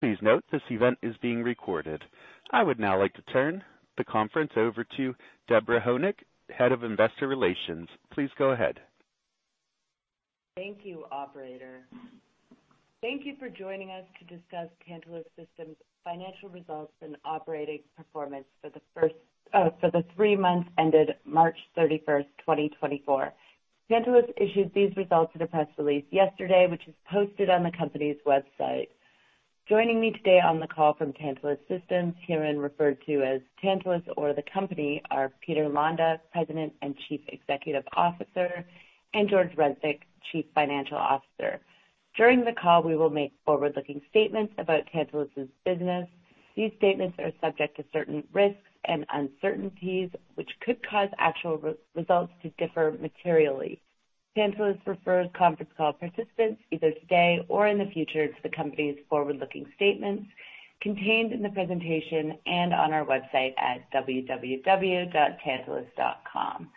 Please note, this event is being recorded. I would now like to turn the conference over to Deborah Honig, Head of Investor Relations. Please go ahead. Thank you, operator. Thank you for joining us to discuss Tantalus Systems' financial results and operating performance for the first, for the three months ended March 31, 2024. Tantalus issued these results in a press release yesterday, which is posted on the company's website. Joining me today on the call from Tantalus Systems, herein referred to as Tantalus or the company, are Peter Londa, President and Chief Executive Officer, and George Reznik, Chief Financial Officer. During the call, we will make forward-looking statements about Tantalus' business. These statements are subject to certain risks and uncertainties, which could cause actual results to differ materially. Tantalus refers conference call participants, either today or in the future, to the company's forward-looking statements contained in the presentation and on our website at www.tantalus.com.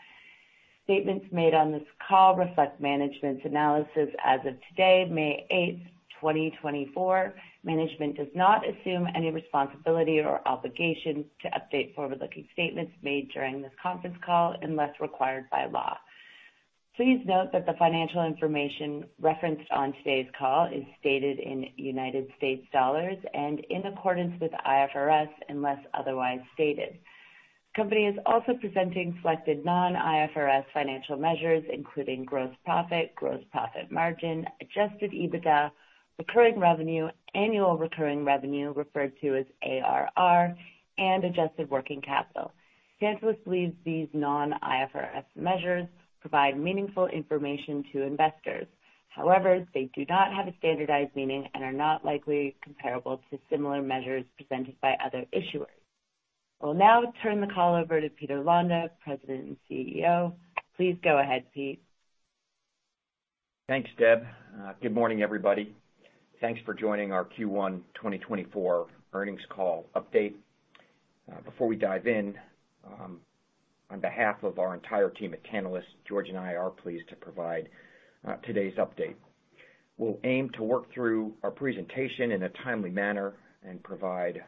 Statements made on this call reflect management's analysis as of today, May 8, 2024. Management does not assume any responsibility or obligation to update forward-looking statements made during this conference call unless required by law. Please note that the financial information referenced on today's call is stated in United States dollars and in accordance with IFRS, unless otherwise stated. The company is also presenting selected non-IFRS financial measures, including gross profit, gross profit margin, adjusted EBITDA, recurring revenue, annual recurring revenue, referred to as ARR, and adjusted working capital. Tantalus believes these non-IFRS measures provide meaningful information to investors. However, they do not have a standardized meaning and are not likely comparable to similar measures presented by other issuers. I will now turn the call over to Peter Londa, President and CEO. Please go ahead, Pete. Thanks, Deb. Good morning, everybody. Thanks for joining our Q1 2024 earnings call update. Before we dive in, on behalf of our entire team at Tantalus, George and I are pleased to provide today's update. We'll aim to work through our presentation in a timely manner and provide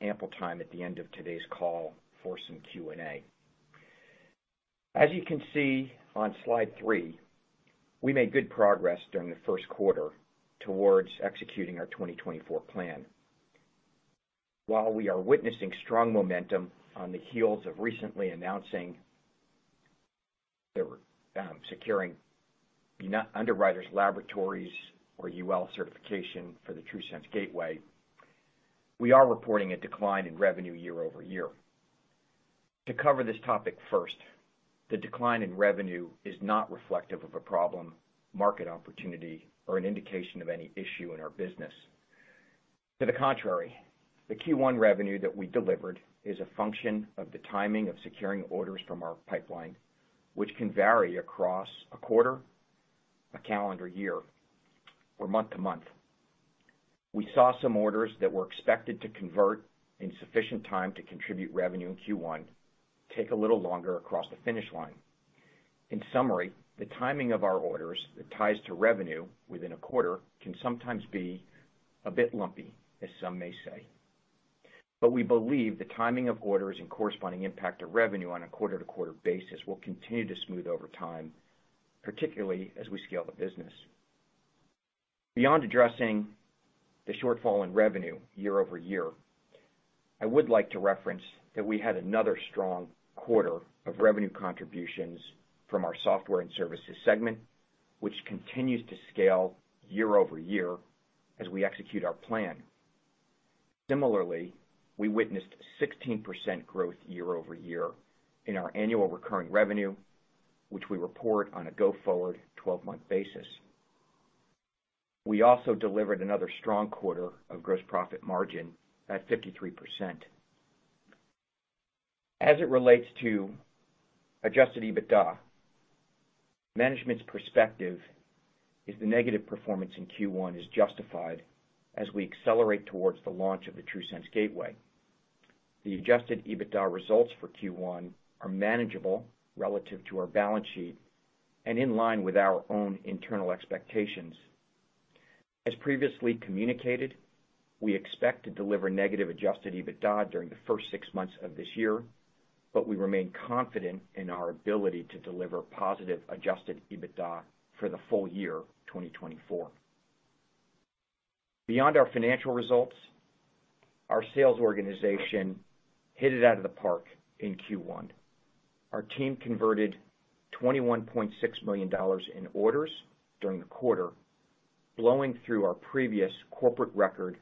ample time at the end of today's call for some Q&A. As you can see on Slide 3, we made good progress during the first quarter towards executing our 2024 plan. While we are witnessing strong momentum on the heels of recently announcing the securing Underwriters Laboratories, or UL, certification for the TRUSense Gateway, we are reporting a decline in revenue year-over-year. To cover this topic first, the decline in revenue is not reflective of a problem, market opportunity, or an indication of any issue in our business. To the contrary, the Q1 revenue that we delivered is a function of the timing of securing orders from our pipeline, which can vary across a quarter, a calendar year, or month to month. We saw some orders that were expected to convert in sufficient time to contribute revenue in Q1 take a little longer across the finish line. In summary, the timing of our orders that ties to revenue within a quarter can sometimes be a bit lumpy, as some may say. But we believe the timing of orders and corresponding impact of revenue on a quarter-to-quarter basis will continue to smooth over time, particularly as we scale the business. Beyond addressing the shortfall in revenue year-over-year, I would like to reference that we had another strong quarter of revenue contributions from our software and services segment, which continues to scale year-over-year as we execute our plan. Similarly, we witnessed 16% growth year-over-year in our annual recurring revenue, which we report on a go-forward 12-month basis. We also delivered another strong quarter of gross profit margin at 53%. As it relates to adjusted EBITDA, management's perspective is the negative performance in Q1 is justified as we accelerate towards the launch of the TRUSense Gateway. The adjusted EBITDA results for Q1 are manageable relative to our balance sheet and in line with our own internal expectations. As previously communicated, we expect to deliver negative adjusted EBITDA during the first six months of this year, but we remain confident in our ability to deliver positive adjusted EBITDA for the full year 2024. Beyond our financial results, our sales organization hit it out of the park in Q1. Our team converted $21.6 million in orders during the quarter, blowing through our previous corporate record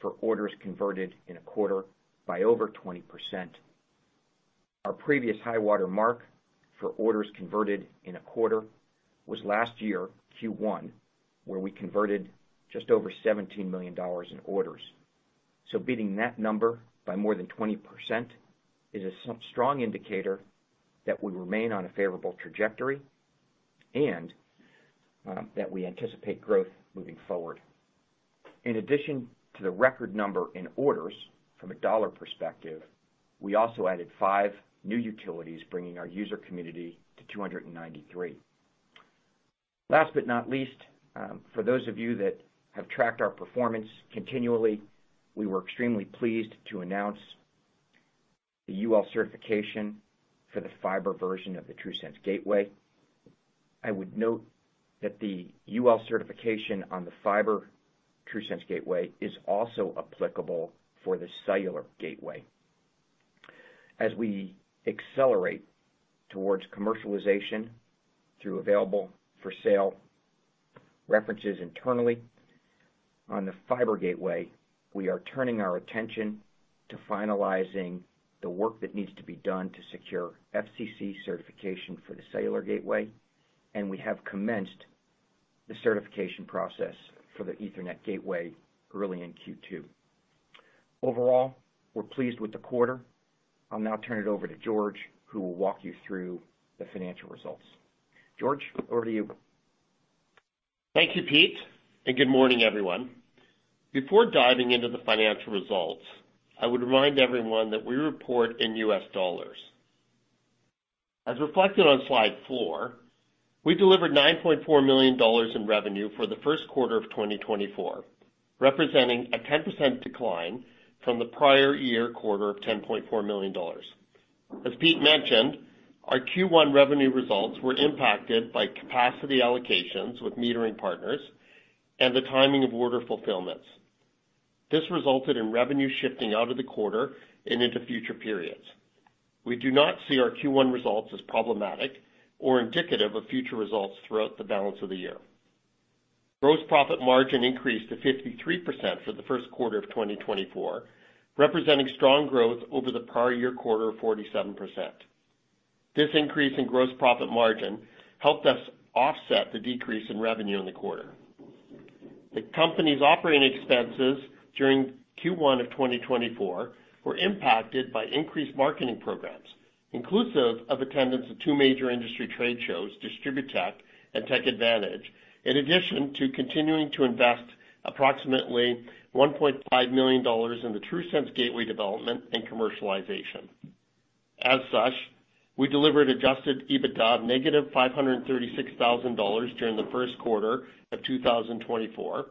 for orders converted in a quarter by over 20%. Our previous high water mark for orders converted in a quarter was last year, Q1, where we converted just over $17 million in orders. So beating that number by more than 20% is a strong indicator that we remain on a favorable trajectory and that we anticipate growth moving forward. In addition to the record number in orders from a dollar perspective, we also added five new utilities, bringing our user community to 293. Last but not least, for those of you that have tracked our performance continually, we were extremely pleased to announce the UL certification for the fiber version of the TRUSense Gateway. I would note that the UL certification on the fiber TRUSense Gateway is also applicable for the cellular gateway. As we accelerate towards commercialization through available for sale references internally on the fiber gateway, we are turning our attention to finalizing the work that needs to be done to secure FCC certification for the cellular gateway, and we have commenced the certification process for the Ethernet gateway early in Q2. Overall, we're pleased with the quarter. I'll now turn it over to George, who will walk you through the financial results. George, over to you. Thank you, Pete, and good morning, everyone. Before diving into the financial results, I would remind everyone that we report in U.S. dollars. As reflected on Slide 4, we delivered $9.4 million in revenue for the first quarter of 2024, representing a 10% decline from the prior year quarter of $10.4 million. As Pete mentioned, our Q1 revenue results were impacted by capacity allocations with metering partners and the timing of order fulfillments. This resulted in revenue shifting out of the quarter and into future periods. We do not see our Q1 results as problematic or indicative of future results throughout the balance of the year. Gross profit margin increased to 53% for the first quarter of 2024, representing strong growth over the prior year quarter of 47%. This increase in gross profit margin helped us offset the decrease in revenue in the quarter. The company's operating expenses during Q1 of 2024 were impacted by increased marketing programs, inclusive of attendance of two major industry trade shows, DISTRIBUTECH and TechAdvantage, in addition to continuing to invest approximately $1.5 million in the TRUSense Gateway development and commercialization. As such, we delivered adjusted EBITDA of -$536,000 during the first quarter of 2024,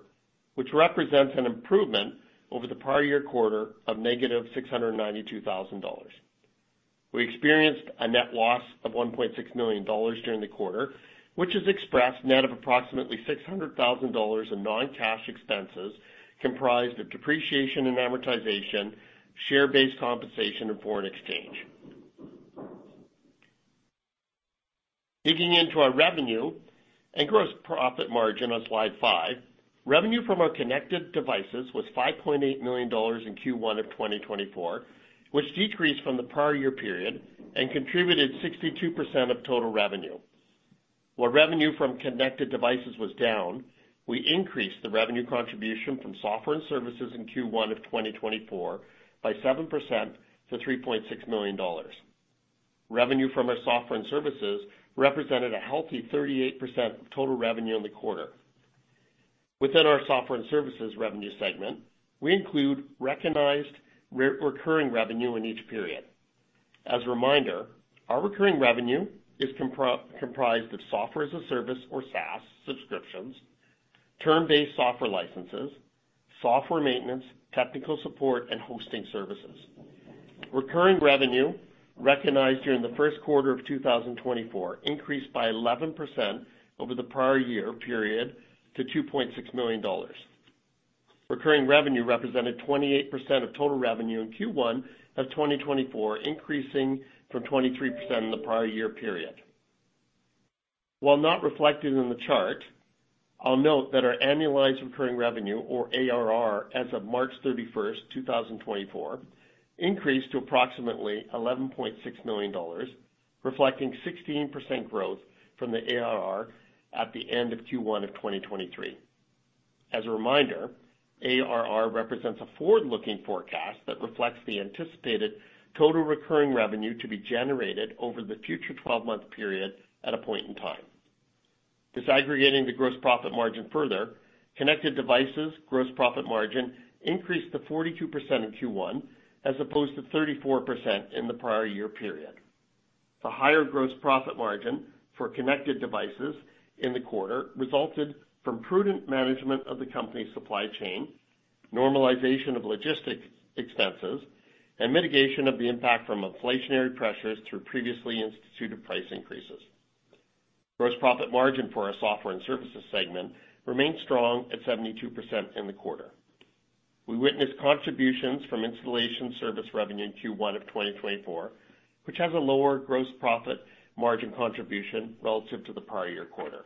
which represents an improvement over the prior year quarter of -$692,000. We experienced a net loss of $1.6 million during the quarter, which is expressed net of approximately $600,000 in non-cash expenses, comprised of depreciation and amortization, share-based compensation, and foreign exchange. Digging into our revenue and gross profit margin on Slide 5, revenue from our connected devices was $5.8 million in Q1 of 2024, which decreased from the prior year period and contributed 62% of total revenue. Where revenue from connected devices was down, we increased the revenue contribution from software and services in Q1 of 2024 by 7% to $3.6 million. Revenue from our software and services represented a healthy 38% of total revenue in the quarter. Within our software and services revenue segment, we include recognized recurring revenue in each period. As a reminder, our recurring revenue is comprised of software as a service, or SaaS, subscriptions, term-based software licenses, software maintenance, technical support, and hosting services. Recurring revenue recognized during the first quarter of 2024 increased by 11% over the prior year period to $2.6 million. Recurring revenue represented 28% of total revenue in Q1 of 2024, increasing from 23% in the prior year period. While not reflected in the chart, I'll note that our annualized recurring revenue, or ARR, as of March 31st, 2024, increased to approximately $11.6 million, reflecting 16% growth from the ARR at the end of Q1 of 2023. As a reminder, ARR represents a forward-looking forecast that reflects the anticipated total recurring revenue to be generated over the future 12-month period at a point in time. Disaggregating the gross profit margin further, connected devices' gross profit margin increased to 42% in Q1, as opposed to 34% in the prior year period. The higher gross profit margin for connected devices in the quarter resulted from prudent management of the company's supply chain, normalization of logistic expenses, and mitigation of the impact from inflationary pressures through previously instituted price increases. Gross profit margin for our software and services segment remained strong at 72% in the quarter. We witnessed contributions from installation service revenue in Q1 of 2024, which has a lower gross profit margin contribution relative to the prior year quarter.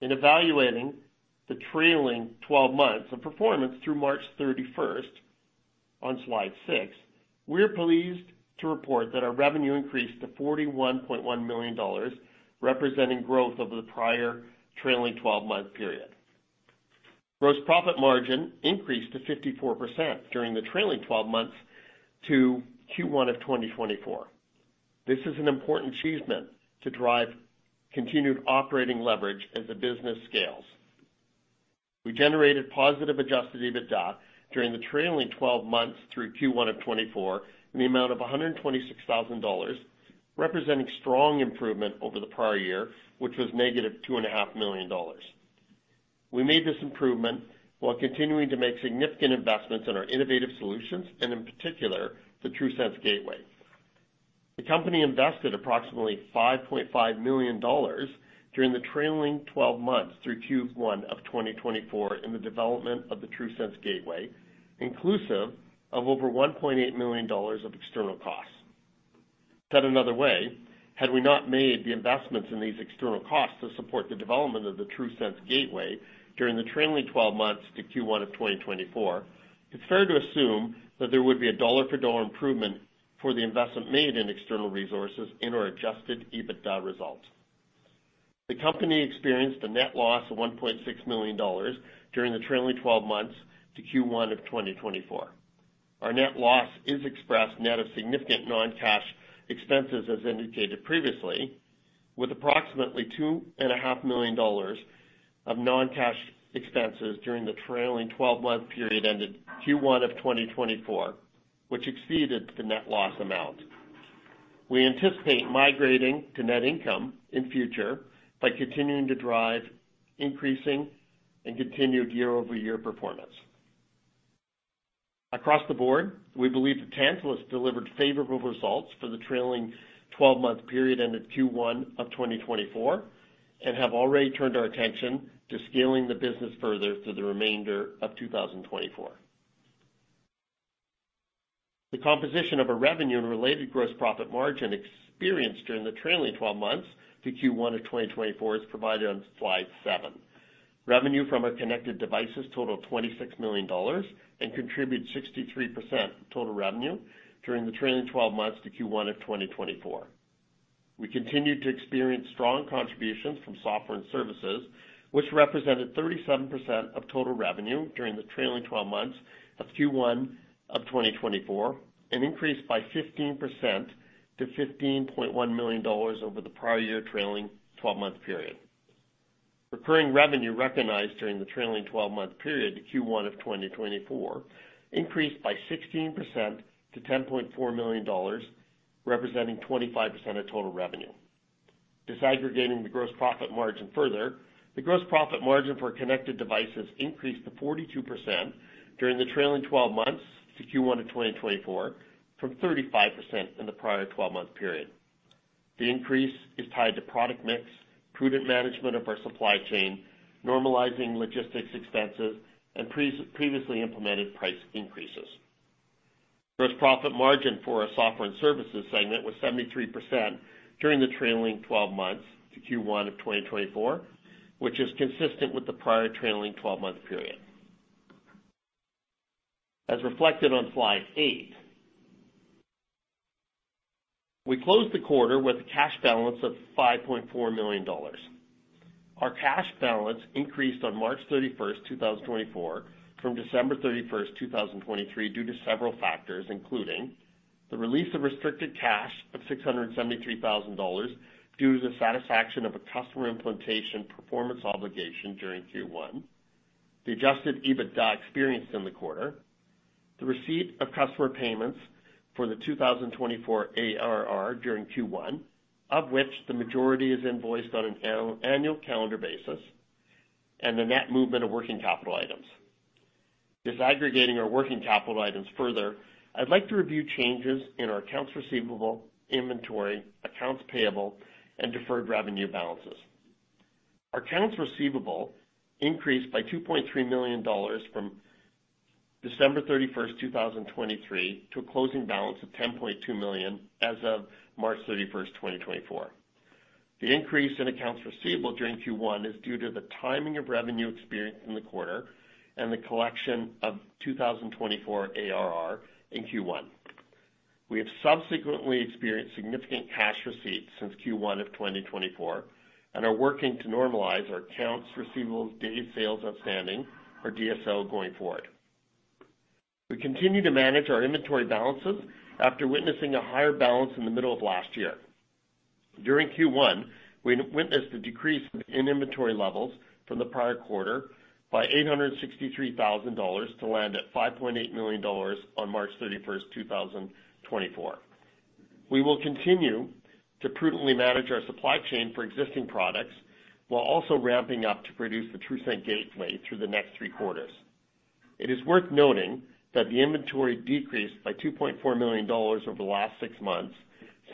In evaluating the trailing 12 months of performance through March 31st, on Slide 6, we're pleased to report that our revenue increased to $41.1 million, representing growth over the prior trailing 12-month period. Gross profit margin increased to 54% during the trailing 12 months to Q1 of 2024. This is an important achievement to drive continued operating leverage as the business scales. We generated positive adjusted EBITDA during the trailing 12 months through Q1 of 2024 in the amount of $126,000, representing strong improvement over the prior year, which was -$2.5 million. We made this improvement while continuing to make significant investments in our innovative solutions and in particular, the TRUSense Gateway. The company invested approximately $5.5 million during the trailing 12 months through Q1 of 2024 in the development of the TRUSense Gateway, inclusive of over $1.8 million of external costs. Said another way, had we not made the investments in these external costs to support the development of the TRUSense Gateway during the trailing 12 months to Q1 of 2024, it's fair to assume that there would be a dollar-for-dollar improvement for the investment made in external resources in our adjusted EBITDA results. The company experienced a net loss of $1.6 million during the trailing 12 months to Q1 of 2024. Our net loss is expressed net of significant non-cash expenses as indicated previously, with approximately $2.5 million of non-cash expenses during the trailing 12-month period ended Q1 of 2024, which exceeded the net loss amount. We anticipate migrating to net income in future by continuing to drive increasing and continued year-over-year performance. Across the board, we believe that Tantalus delivered favorable results for the trailing 12-month period ended Q1 of 2024, and have already turned our attention to scaling the business further through the remainder of 2024. The composition of our revenue and related gross profit margin experienced during the trailing 12 months to Q1 of 2024 is provided on Slide 7. Revenue from our connected devices total $26 million and contribute 63% of total revenue during the trailing 12 months to Q1 of 2024. We continued to experience strong contributions from software and services, which represented 37% of total revenue during the trailing 12 months of Q1 of 2024, and increased by 15% to $15.1 million over the prior year trailing 12-month period. Recurring revenue recognized during the trailing 12-month period to Q1 of 2024 increased by 16% to $10.4 million, representing 25% of total revenue. Disaggregating the gross profit margin further, the gross profit margin for connected devices increased to 42% during the trailing 12 months to Q1 of 2024, from 35% in the prior 12-month period. The increase is tied to product mix, prudent management of our supply chain, normalizing logistics expenses, and previously implemented price increases. Gross profit margin for our software and services segment was 73% during the trailing 12 months to Q1 of 2024, which is consistent with the prior trailing 12-month period. As reflected on Slide 8, we closed the quarter with a cash balance of $5.4 million. Our cash balance increased on March 31st, 2024, from December 31st, 2023, due to several factors, including: the release of restricted cash of $673,000 due to the satisfaction of a customer implementation performance obligation during Q1; the adjusted EBITDA experienced in the quarter; the receipt of customer payments for the 2024 ARR during Q1, of which the majority is invoiced on an annual calendar basis; and the net movement of working capital items. Disaggregating our working capital items further, I'd like to review changes in our accounts receivable, inventory, accounts payable, and deferred revenue balances. Our accounts receivable increased by $2.3 million from December 31st, 2023, to a closing balance of $10.2 million as of March 31, 2024. The increase in accounts receivable during Q1 is due to the timing of revenue experienced in the quarter and the collection of 2024 ARR in Q1. We have subsequently experienced significant cash receipts since Q1 of 2024 and are working to normalize our accounts receivable days sales outstanding, or DSO, going forward. We continue to manage our inventory balances after witnessing a higher balance in the middle of last year. During Q1, we witnessed a decrease in inventory levels from the prior quarter by $863,000 to land at $5.8 million on March 31st, 2024. We will continue to prudently manage our supply chain for existing products, while also ramping up to produce the TRUSense Gateway through the next three quarters. It is worth noting that the inventory decreased by $2.4 million over the last six months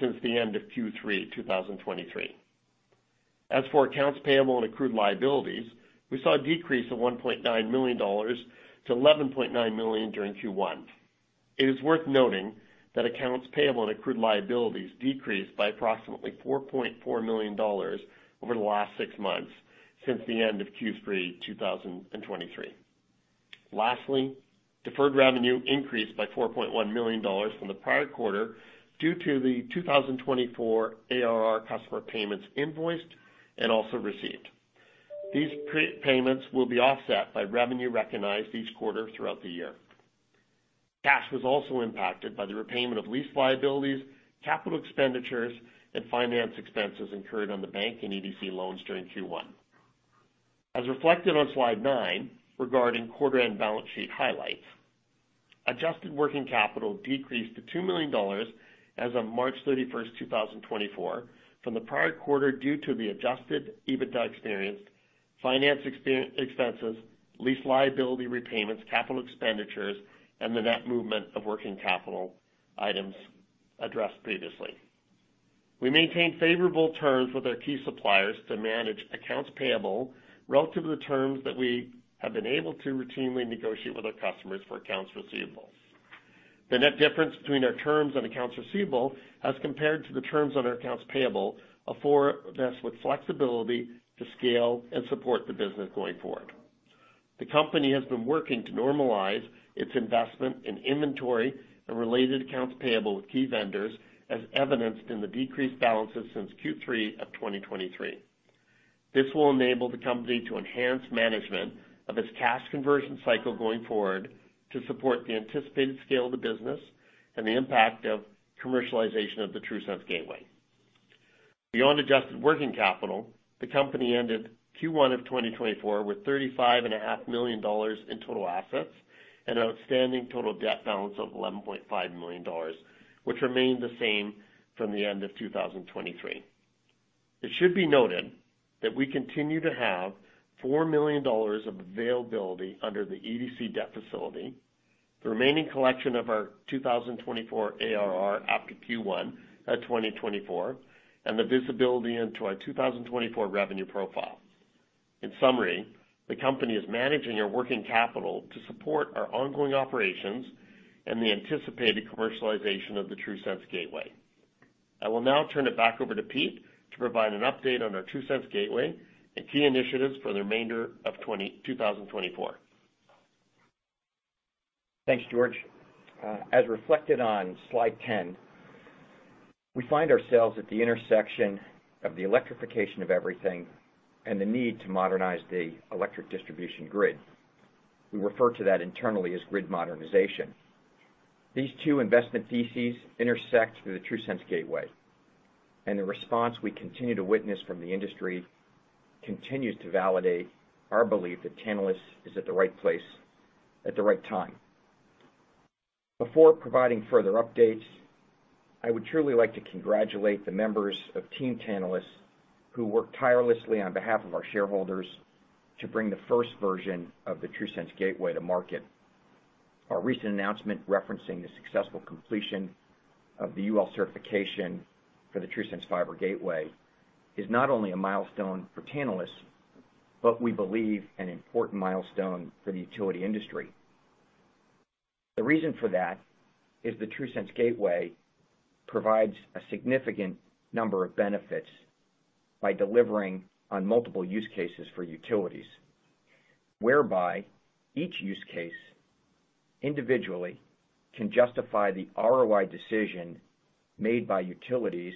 since the end of Q3 2023. As for accounts payable and accrued liabilities, we saw a decrease of $1.9 million to $11.9 million during Q1. It is worth noting that accounts payable and accrued liabilities decreased by approximately $4.4 million over the last six months since the end of Q3 2023. Lastly, deferred revenue increased by $4.1 million from the prior quarter due to the 2024 ARR customer payments invoiced and also received. These prepayments will be offset by revenue recognized each quarter throughout the year. Cash was also impacted by the repayment of lease liabilities, capital expenditures, and finance expenses incurred on the bank and EDC loans during Q1. As reflected on Slide 9, regarding quarter-end balance sheet highlights, adjusted working capital decreased to $2 million as of March 31st, 2024, from the prior quarter, due to the adjusted EBITDA expense, finance expenses, lease liability repayments, capital expenditures, and the net movement of working capital items addressed previously. We maintained favorable terms with our key suppliers to manage accounts payable relative to the terms that we have been able to routinely negotiate with our customers for accounts receivable. The net difference between our terms on accounts receivable as compared to the terms on our accounts payable, afford us with flexibility to scale and support the business going forward. The company has been working to normalize its investment in inventory and related accounts payable with key vendors, as evidenced in the decreased balances since Q3 of 2023. This will enable the company to enhance management of its cash conversion cycle going forward to support the anticipated scale of the business and the impact of commercialization of the TRUSense Gateway. Beyond adjusted working capital, the company ended Q1 of 2024 with $35.5 million in total assets and an outstanding total debt balance of $11.5 million, which remained the same from the end of 2023. It should be noted that we continue to have $4 million of availability under the EDC debt facility, the remaining collection of our 2024 ARR after Q1 at 2024, and the visibility into our 2024 revenue profile. In summary, the company is managing our working capital to support our ongoing operations and the anticipated commercialization of the TRUSense Gateway. I will now turn it back over to Pete to provide an update on our TRUSense Gateway and key initiatives for the remainder of 2024. Thanks, George. As reflected on Slide 10, we find ourselves at the intersection of the electrification of everything and the need to modernize the electric distribution grid. We refer to that internally as Grid Modernization. These two investment theses intersect through the TRUSense Gateway, and the response we continue to witness from the industry continues to validate our belief that Tantalus is at the right place at the right time. Before providing further updates, I would truly like to congratulate the members of Team Tantalus, who worked tirelessly on behalf of our shareholders to bring the first version of the TRUSense Gateway to market. Our recent announcement referencing the successful completion of the UL certification for the TRUSense Fiber Gateway is not only a milestone for Tantalus, but we believe an important milestone for the utility industry. The reason for that is the TRUSense Gateway provides a significant number of benefits by delivering on multiple use cases for utilities, whereby each use case, individually, can justify the ROI decision made by utilities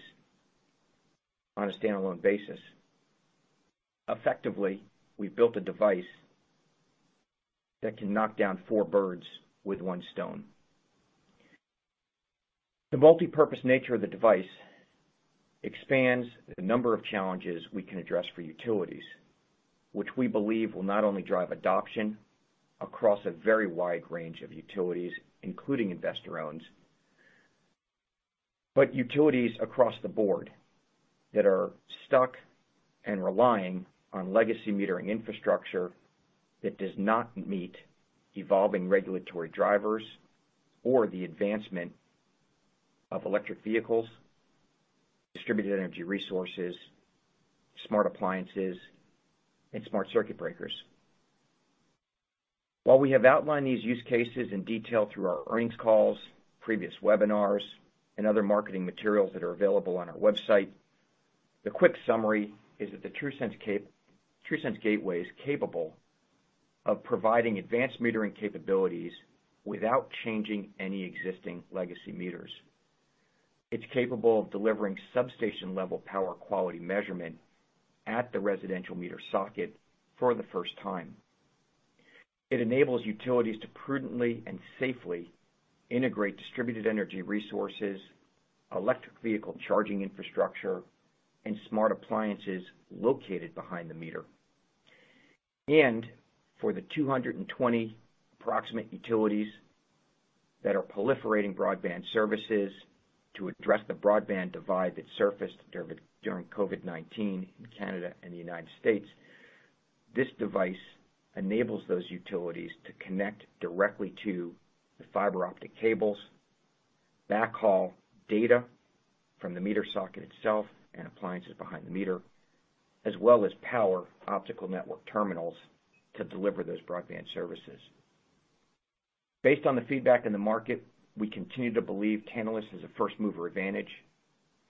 on a standalone basis. Effectively, we've built a device that can knock down four birds with one stone. The multipurpose nature of the device expands the number of challenges we can address for utilities, which we believe will not only drive adoption across a very wide range of utilities, including investor-owned, but utilities across the board that are stuck and relying on legacy metering infrastructure that does not meet evolving regulatory drivers or the advancement of electric vehicles, distributed energy resources, smart appliances, and smart circuit breakers. While we have outlined these use cases in detail through our earnings calls, previous webinars, and other marketing materials that are available on our website, the quick summary is that the TRUSense Gateway is capable of providing advanced metering capabilities without changing any existing legacy meters. It's capable of delivering substation-level power quality measurement at the residential meter socket for the first time. It enables utilities to prudently and safely integrate distributed energy resources, electric vehicle charging infrastructure, and smart appliances located behind the meter. For the 220 approximate utilities that are proliferating broadband services to address the broadband divide that surfaced during COVID-19 in Canada and the United States, this device enables those utilities to connect directly to the fiber optic cables, backhaul data from the meter socket itself and appliances behind the meter, as well as power optical network terminals to deliver those broadband services. Based on the feedback in the market, we continue to believe Tantalus is a first-mover advantage,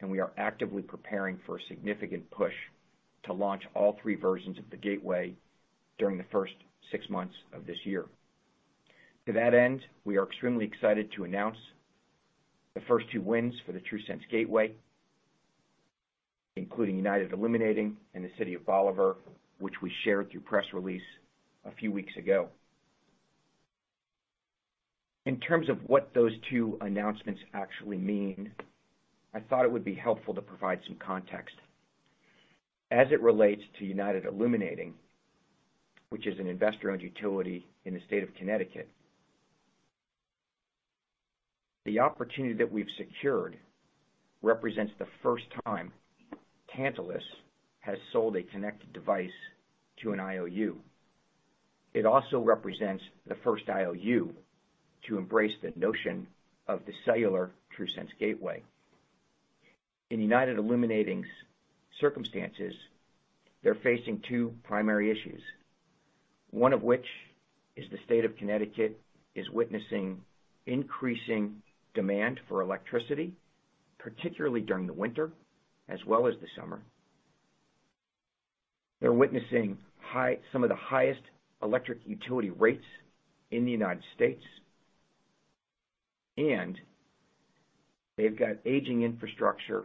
and we are actively preparing for a significant push to launch all three versions of the gateway during the first six months of this year. To that end, we are extremely excited to announce the first two wins for the TRUSense Gateway, including United Illuminating and the City of Bolivar, which we shared through press release a few weeks ago. In terms of what those two announcements actually mean, I thought it would be helpful to provide some context. As it relates to United Illuminating, which is an investor-owned utility in the state of Connecticut, the opportunity that we've secured represents the first time Tantalus has sold a connected device to an IOU. It also represents the first IOU to embrace the notion of the cellular TRUSense Gateway. In United Illuminating's circumstances, they're facing two primary issues, one of which is the state of Connecticut is witnessing increasing demand for electricity, particularly during the winter as well as the summer. They're witnessing high, some of the highest electric utility rates in the United States, and they've got aging infrastructure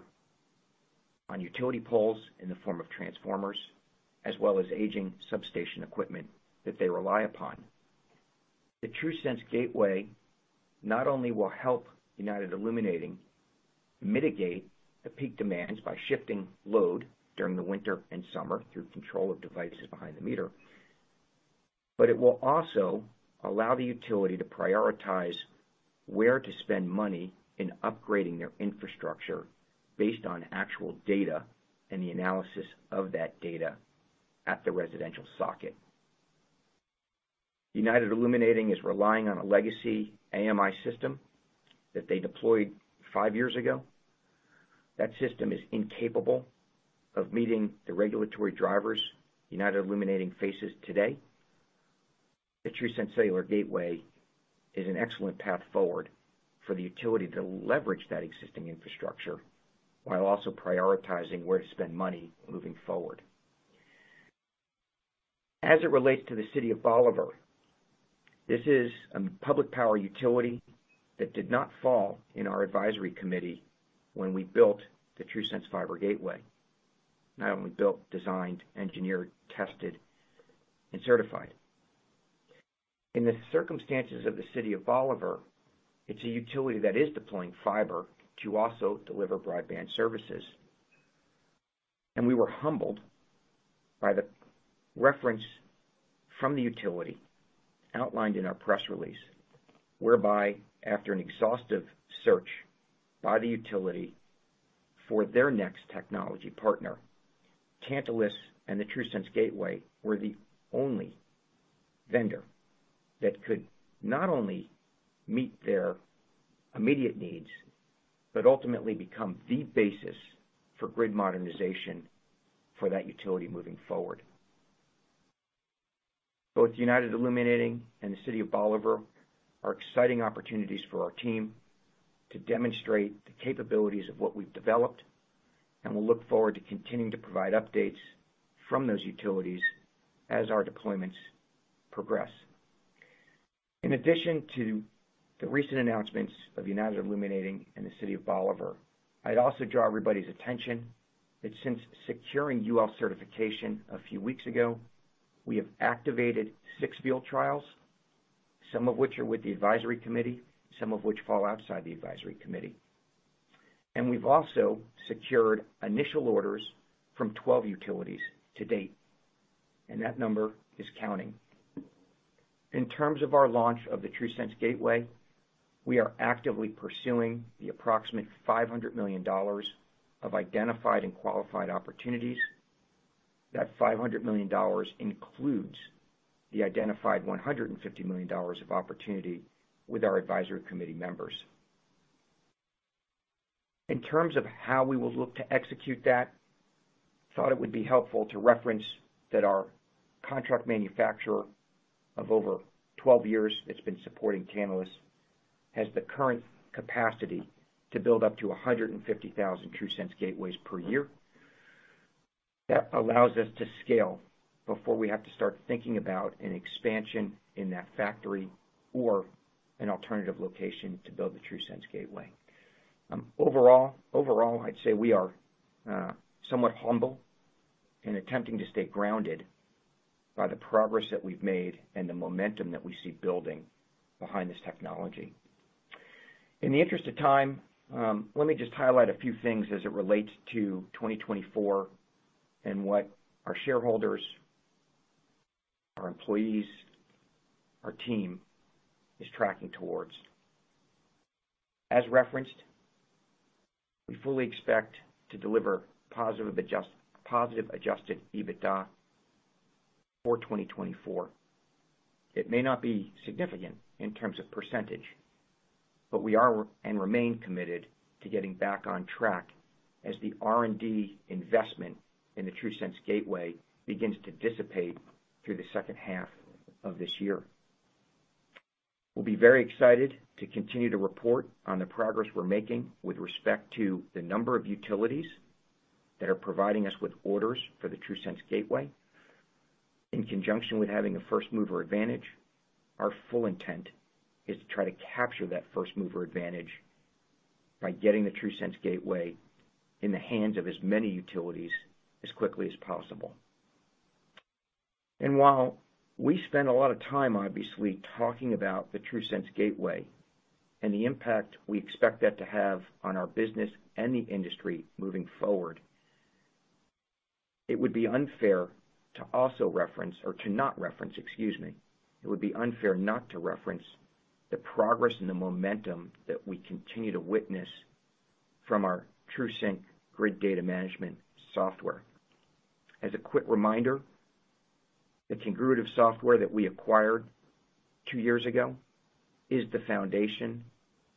on utility poles in the form of transformers, as well as aging substation equipment that they rely upon. The TRUSense Gateway not only will help United Illuminating mitigate the peak demands by shifting load during the winter and summer through control of devices behind the meter, but it will also allow the utility to prioritize where to spend money in upgrading their infrastructure based on actual data and the analysis of that data at the residential socket. United Illuminating is relying on a legacy AMI system that they deployed five years ago. That system is incapable of meeting the regulatory drivers United Illuminating faces today. The TRUSense Cellular Gateway is an excellent path forward for the utility to leverage that existing infrastructure, while also prioritizing where to spend money moving forward. As it relates to the City of Bolivar, this is a public power utility that did not fall in our advisory committee when we built the TRUSense Fiber Gateway. Not only built, designed, engineered, tested, and certified. In the circumstances of the City of Bolivar, it's a utility that is deploying fiber to also deliver broadband services. And we were humbled by the reference from the utility outlined in our press release, whereby, after an exhaustive search by the utility for their next technology partner, Tantalus and the TRUSense Gateway were the only vendor that could not only meet their immediate needs, but ultimately become the basis for grid modernization for that utility moving forward. Both United Illuminating and the City of Bolivar are exciting opportunities for our team to demonstrate the capabilities of what we've developed, and we'll look forward to continuing to provide updates from those utilities as our deployments progress. In addition to the recent announcements of United Illuminating and the City of Bolivar, I'd also draw everybody's attention that since securing UL certification a few weeks ago, we have activated six field trials, some of which are with the advisory committee, some of which fall outside the advisory committee. And we've also secured initial orders from 12 utilities to date, and that number is counting. In terms of our launch of the TRUSense Gateway, we are actively pursuing the approximate $500 million of identified and qualified opportunities. That $500 million includes the identified $150 million of opportunity with our advisory committee members. In terms of how we will look to execute that, thought it would be helpful to reference that our contract manufacturer of over 12 years that's been supporting Tantalus has the current capacity to build up to 150,000 TRUSense Gateways per year. That allows us to scale before we have to start thinking about an expansion in that factory or an alternative location to build the TRUSense Gateway. Overall, overall, I'd say we are somewhat humble in attempting to stay grounded by the progress that we've made and the momentum that we see building behind this technology. In the interest of time, let me just highlight a few things as it relates to 2024 and what our shareholders, our employees, our team is tracking towards. As referenced, we fully expect to deliver positive adjust, positive adjusted EBITDA for 2024. It may not be significant in terms of percentage, but we are working and remain committed to getting back on track as the R&D investment in the TRUSense Gateway begins to dissipate through the second half of this year. We'll be very excited to continue to report on the progress we're making with respect to the number of utilities that are providing us with orders for the TRUSense Gateway in conjunction with having a first mover advantage. Our full intent is to try to capture that first mover advantage by getting the TRUSense Gateway in the hands of as many utilities as quickly as possible. And while we spend a lot of time, obviously, talking about the TRUSense Gateway and the impact we expect that to have on our business and the industry moving forward, it would be unfair to also reference or to not reference, excuse me, it would be unfair not to reference the progress and the momentum that we continue to witness from our TRUSync grid data management software. As a quick reminder, the Congruitive software that we acquired two years ago is the foundation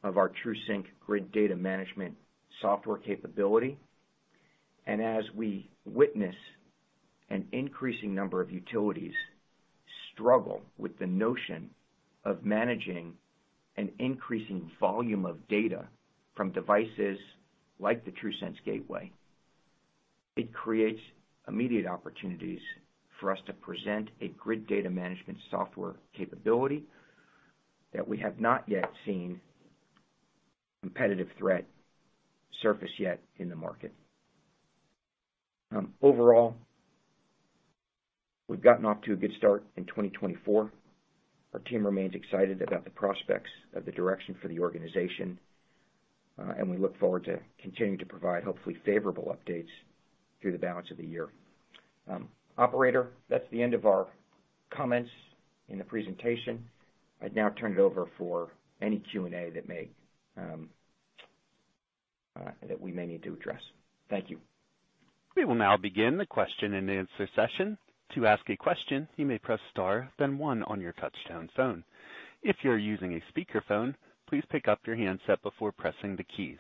of our TRUSync grid data management software capability. And as we witness an increasing number of utilities struggle with the notion of managing an increasing volume of data from devices like the TRUSense Gateway, it creates immediate opportunities for us to present a grid data management software capability that we have not yet seen competitive threat surface yet in the market. Overall, we've gotten off to a good start in 2024. Our team remains excited about the prospects of the direction for the organization, and we look forward to continuing to provide, hopefully, favorable updates through the balance of the year. Operator, that's the end of our comments in the presentation. I'd now turn it over for any Q&A that we may need to address. Thank you. We will now begin the question-and-answer session. To ask a question, you may press star, then one on your touchtone phone. If you're using a speakerphone, please pick up your handset before pressing the keys.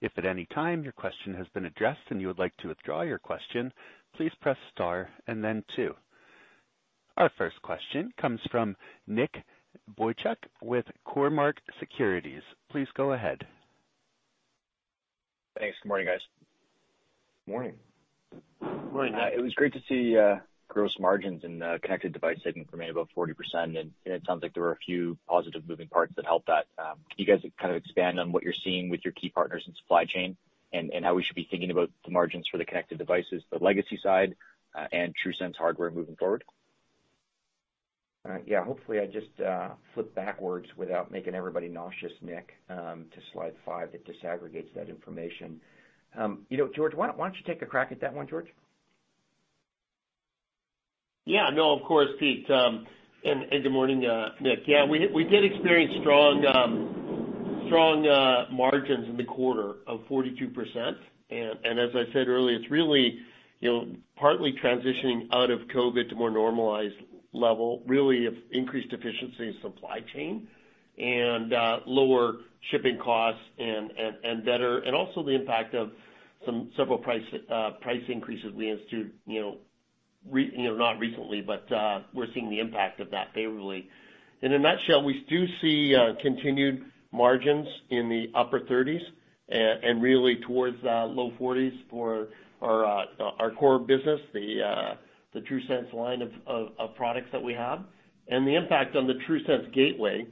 If at any time your question has been addressed and you would like to withdraw your question, please press star and then two. Our first question comes from Nick Boychuk with Cormark Securities. Please go ahead. Thanks. Good morning, guys. Morning. Morning. It was great to see, gross margins in the connected device segment remain above 40%, and it sounds like there were a few positive moving parts that helped that. Can you guys kind of expand on what you're seeing with your key partners in supply chain, and, and how we should be thinking about the margins for the connected devices, the legacy side, and TRUSense hardware moving forward? Yeah, hopefully, I just flipped backwards without making everybody nauseous, Nick, to Slide 5, that disaggregates that information. You know, George, why, why don't you take a crack at that one, George? Yeah, no, of course, Pete. And good morning, Nick. Yeah, we did experience strong margins in the quarter of 42%. And as I said earlier, it's really, you know, partly transitioning out of COVID to more normalized level, really of increased efficiency in supply chain and lower shipping costs and better. And also the impact of several price increases we instituted, you know, not recently, but we're seeing the impact of that favorably. And in a nutshell, we do see continued margins in the upper thirties and really towards low forties for our core business, the TRUSense line of products that we have. And the impact on the TRUSense Gateway,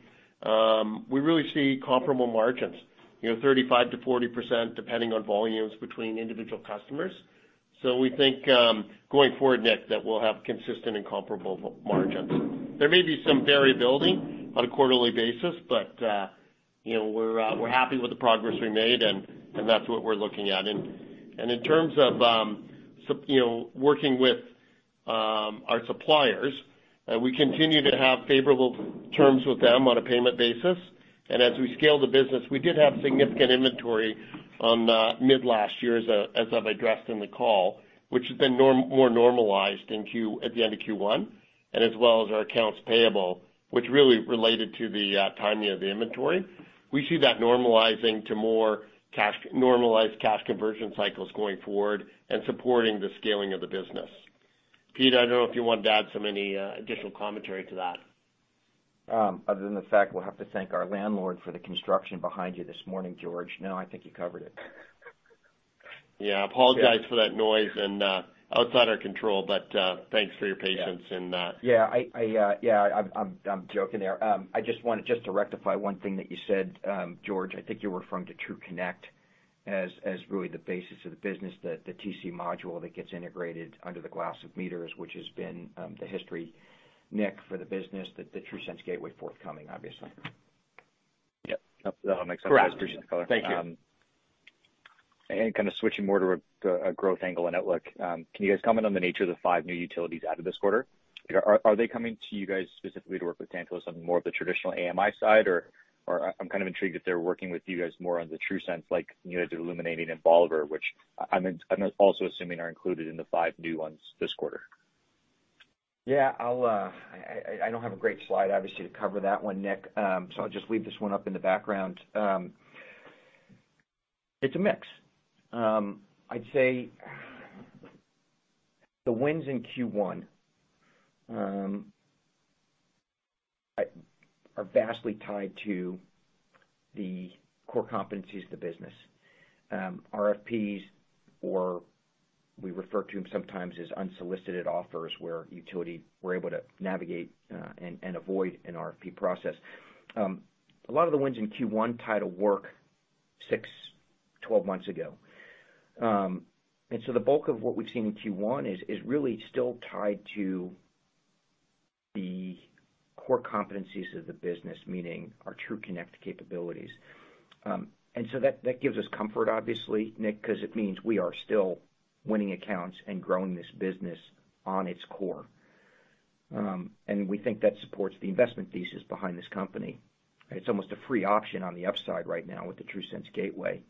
we really see comparable margins, you know, 35%-40%, depending on volumes between individual customers. So we think, going forward, Nick, that we'll have consistent and comparable margins. There may be some variability on a quarterly basis, but, you know, we're, we're happy with the progress we made, and, and that's what we're looking at. And, and in terms of, you know, working with, our suppliers, we continue to have favorable terms with them on a payment basis. And as we scale the business, we did have significant inventory on, mid-last year, as, as I've addressed in the call, which has been more normalized at the end of Q1, and as well as our accounts payable, which really related to the, timing of the inventory. We see that normalizing to more cash-normalized cash conversion cycles going forward and supporting the scaling of the business. Pete, I don't know if you wanted to add some, any, additional commentary to that. Other than the fact we'll have to thank our landlord for the construction behind you this morning, George. No, I think you covered it. Yeah, apologize for that noise and, outside our control, but, thanks for your patience and. Yeah, yeah, I'm joking there. I just wanted just to rectify one thing that you said, George. I think you were referring to TRUConnect as really the basis of the business, the TC module that gets integrated under the glass of meters, which has been the history, Nick, for the business, the TRUSense Gateway forthcoming, obviously. Yep. That makes sense. Correct. Appreciate the color. Thank you. And kind of switching more to a, to a growth angle and outlook. Can you guys comment on the nature of the five new utilities added this quarter? Are they coming to you guys specifically to work with Tantalus on more of the traditional AMI side, or I'm kind of intrigued if they're working with you guys more on the TRUSense, like, you know, the United Illuminating and Bolivar, which I'm also assuming are included in the five new ones this quarter? Yeah, I'll, I don't have a great slide, obviously, to cover that one, Nick. So I'll just leave this one up in the background. It's a mix. I'd say, the wins in Q1 are vastly tied to the core competencies of the business. RFPs, or we refer to them sometimes as unsolicited offers, where utility, we're able to navigate, and avoid an RFP process. A lot of the wins in Q1 tied to work six, 12 months ago. And so the bulk of what we've seen in Q1 is really still tied to the core competencies of the business, meaning our TRUConnect capabilities. And so that gives us comfort, obviously, Nick, because it means we are still winning accounts and growing this business on its core. We think that supports the investment thesis behind this company. It's almost a free option on the upside right now with the TRUSense Gateway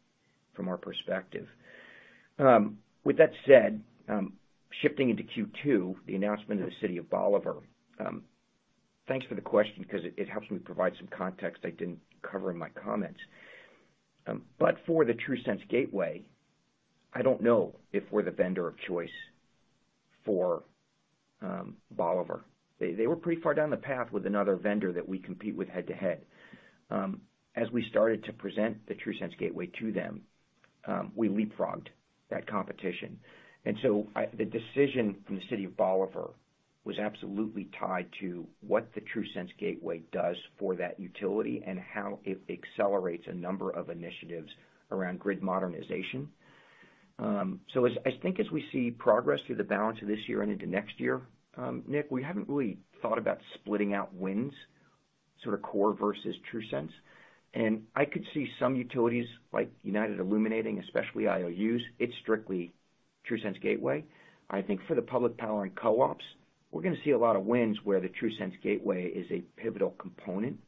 from our perspective. With that said, shifting into Q2, the announcement of the City of Bolivar. Thanks for the question, because it, it helps me provide some context I didn't cover in my comments. But for the TRUSense Gateway, I don't know if we're the vendor of choice for, Bolivar. They, they were pretty far down the path with another vendor that we compete with head-to-head. As we started to present the TRUSense Gateway to them, we leapfrogged that competition. And so the decision from the City of Bolivar was absolutely tied to what the TRUSense Gateway does for that utility and how it accelerates a number of initiatives around grid modernization. I think as we see progress through the balance of this year and into next year, Nick, we haven't really thought about splitting out wins, sort of core versus TRUSense. And I could see some utilities like United Illuminating, especially IOUs, it's strictly TRUSense Gateway. I think for the public power and co-ops, we're gonna see a lot of wins where the TRUSense Gateway is a pivotal component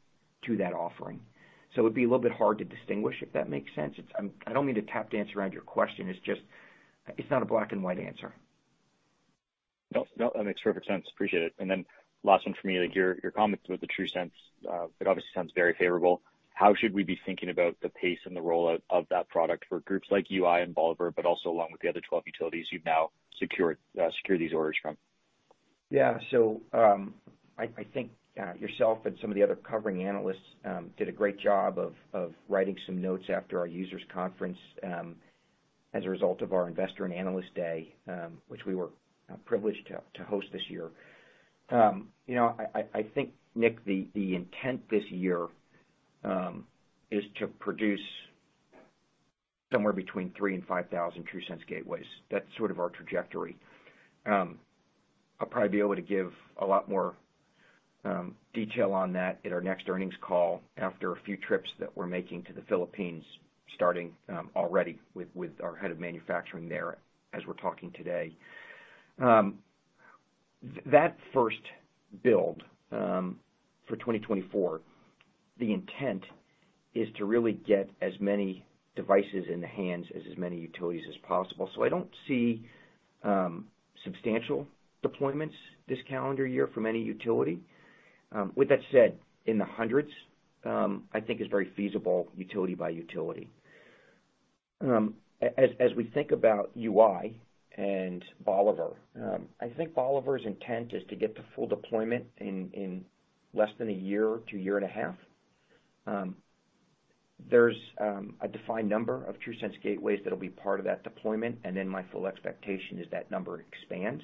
to that offering. So it'd be a little bit hard to distinguish, if that makes sense. It's, I don't mean to tap dance around your question, it's just, it's not a black and white answer. No, no, that makes perfect sense. Appreciate it. And then last one for me, like your, your comments about the TRUSense, it obviously sounds very favorable. How should we be thinking about the pace and the rollout of that product for groups like UI and Bolivar, but also along with the other 12 utilities you've now secured, secured these orders from? Yeah. So, I think yourself and some of the other covering analysts did a great job of writing some notes after our users conference, as a result of our investor and analyst day, which we were privileged to host this year. You know, I think, Nick, the intent this year is to produce somewhere between 3,000 and 5,000 TRUSense Gateways. That's sort of our trajectory. I'll probably be able to give a lot more detail on that at our next earnings call after a few trips that we're making to the Philippines, starting already with our head of manufacturing there as we're talking today. That first build, for 2024, the intent is to really get as many devices in the hands as many utilities as possible. So I don't see substantial deployments this calendar year from any utility. With that said, in the hundreds, I think is very feasible, utility by utility. As we think about UI and Bolivar, I think Bolivar's intent is to get to full deployment in less than a year to year and a half. There's a defined number of TRUSense Gateways that'll be part of that deployment, and then my full expectation is that number expands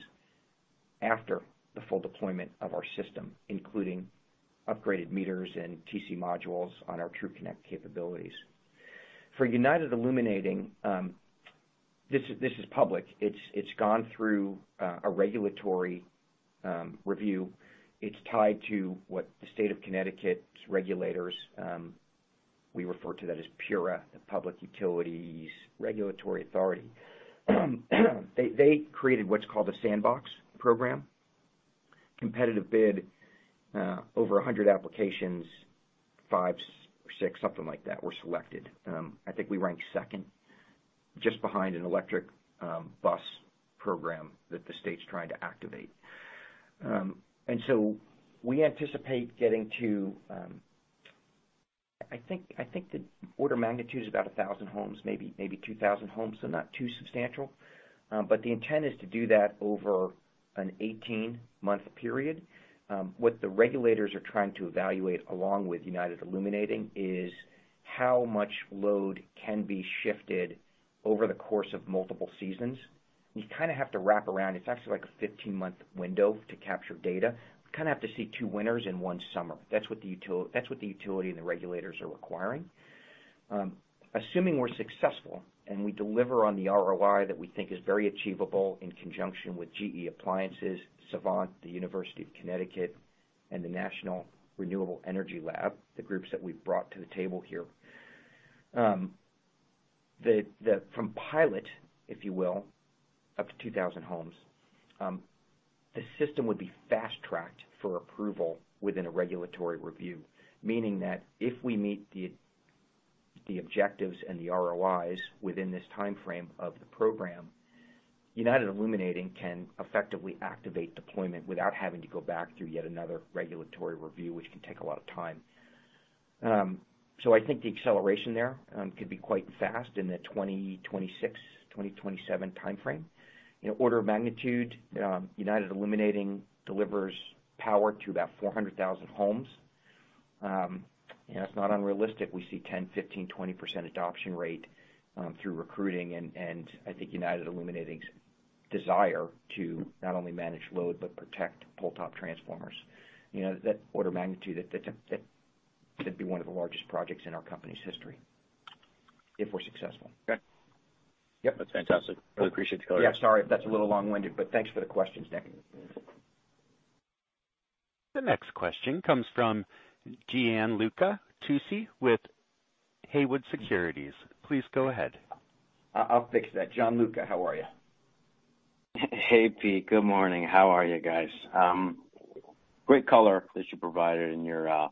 after the full deployment of our system, including upgraded meters and TC modules on our TRUConnect capabilities. For United Illuminating, this is public. It's gone through a regulatory review. It's tied to what the state of Connecticut's regulators, we refer to that as PURA, the Public Utilities Regulatory Authority. They created what's called a sandbox program, competitive bid, over 100 applications, five, six, something like that, were selected. I think we ranked second, just behind an electric bus program that the state's trying to activate. And so we anticipate getting to, I think the order of magnitude is about 1,000 homes, maybe 2,000 homes, so not too substantial. But the intent is to do that over an 18-month period. What the regulators are trying to evaluate, along with United Illuminating, is how much load can be shifted over the course of multiple seasons. You kind of have to wrap around. It's actually like a 15-month window to capture data. You kind of have to see two winters and one summer. That's what the utility and the regulators are requiring. Assuming we're successful, and we deliver on the ROI that we think is very achievable in conjunction with GE Appliances, Savant, the University of Connecticut, and the National Renewable Energy Lab, the groups that we've brought to the table here, from pilot, if you will, up to 2,000 homes, the system would be fast-tracked for approval within a regulatory review. Meaning that if we meet the objectives and the ROIs within this timeframe of the program, United Illuminating can effectively activate deployment without having to go back through yet another regulatory review, which can take a lot of time. So I think the acceleration there could be quite fast in the 2026-2027 timeframe. In order of magnitude, United Illuminating delivers power to about 400,000 homes. It's not unrealistic, we see 10%, 15%, 20% adoption rate through recruiting, and I think United Illuminating's desire to not only manage load but protect pole-top transformers. You know, that order of magnitude, that could be one of the largest projects in our company's history if we're successful. Okay. Yep. That's fantastic. Really appreciate the color. Yeah, sorry if that's a little long-winded, but thanks for the question, Nick. The next question comes from Gianluca Tucci with Haywood Securities. Please go ahead. I'll fix that. Gianluca, how are you? Hey, Pete. Good morning. How are you guys? Great color that you provided in your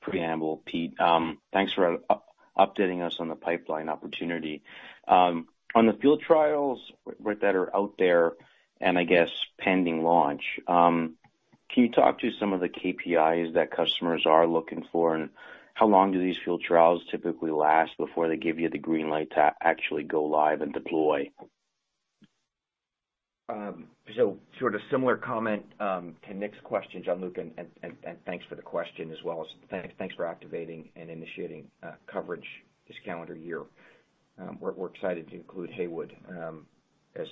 preamble, Pete. Thanks for updating us on the pipeline opportunity. On the field trials that are out there, and I guess, pending launch, can you talk to some of the KPIs that customers are looking for, and how long do these field trials typically last before they give you the green light to actually go live and deploy? So sort of similar comment to Nick's question, Gianluca, and thanks for the question, as well as thanks for activating and initiating coverage this calendar year. We're excited to include Haywood as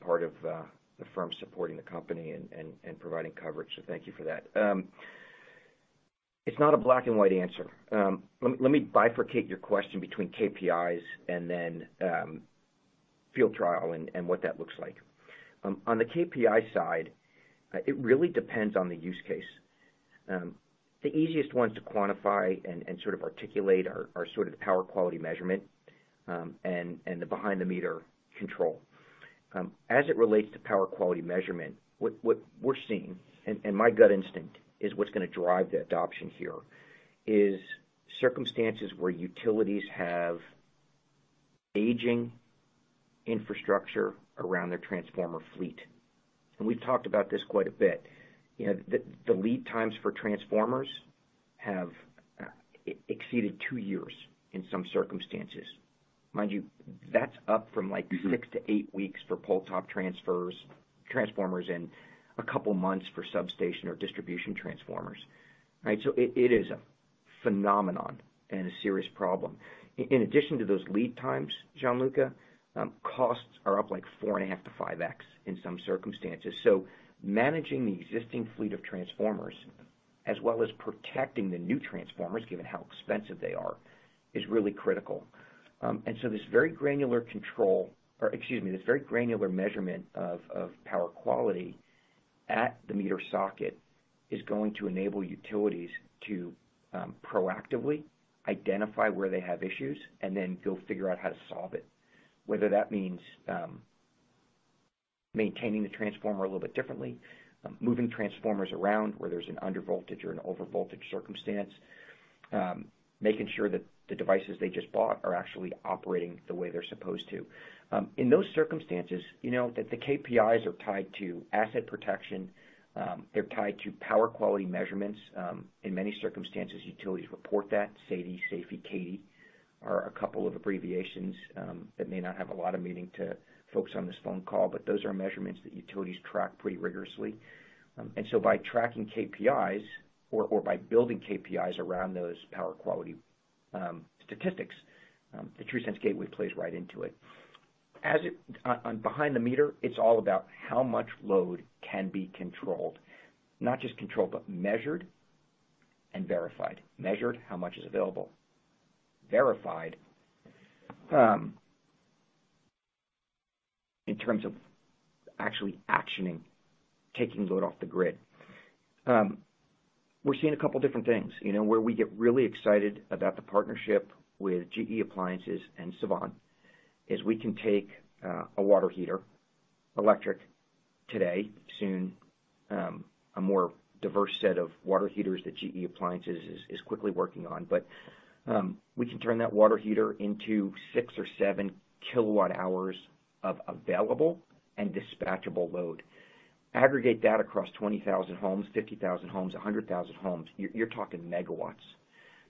part of the firm supporting the company and providing coverage, so thank you for that. It's not a black-and-white answer. Let me bifurcate your question between KPIs and then field trial and what that looks like. On the KPI side, it really depends on the use case. The easiest ones to quantify and sort of articulate are sort of the power quality measurement and the behind-the-meter control. As it relates to power quality measurement, what we're seeing, and my gut instinct is what's gonna drive the adoption here, is circumstances where utilities have aging infrastructure around their transformer fleet. And we've talked about this quite a bit. You know, the lead times for transformers have exceeded two years in some circumstances. Mind you, that's up from, like, six to eight weeks for pole-top transformers, and a couple months for substation or distribution transformers, right? So it is a phenomenon and a serious problem. In addition to those lead times, Gianluca, costs are up, like, 4.5x-5x in some circumstances. So managing the existing fleet of transformers, as well as protecting the new transformers, given how expensive they are, is really critical. And so this very granular control, or excuse me, this very granular measurement of power quality at the meter socket is going to enable utilities to proactively identify where they have issues and then go figure out how to solve it. Whether that means maintaining the transformer a little bit differently, moving transformers around where there's an under-voltage or an over-voltage circumstance, making sure that the devices they just bought are actually operating the way they're supposed to. In those circumstances, you know that the KPIs are tied to asset protection. They're tied to power quality measurements. In many circumstances, utilities report that. SAIDI, SAIFI, CAIDI are a couple of abbreviations that may not have a lot of meaning to folks on this phone call, but those are measurements that utilities track pretty rigorously. And so by tracking KPIs or, or by building KPIs around those power quality, statistics, the TRUSense Gateway plays right into it. As it on behind the meter, it's all about how much load can be controlled. Not just controlled, but measured and verified. Measured, how much is available. Verified, in terms of actually actioning, taking load off the grid. We're seeing a couple different things. You know, where we get really excited about the partnership with GE Appliances and Savant, is we can take, a water heater, electric today, soon, a more diverse set of water heaters that GE Appliances is, is quickly working on. But, we can turn that water heater into 6 kWh or 7 kWh of available and dispatchable load. Aggregate that across 20,000 homes, 50,000 homes, 100,000 homes, you're, you're talking megawatts.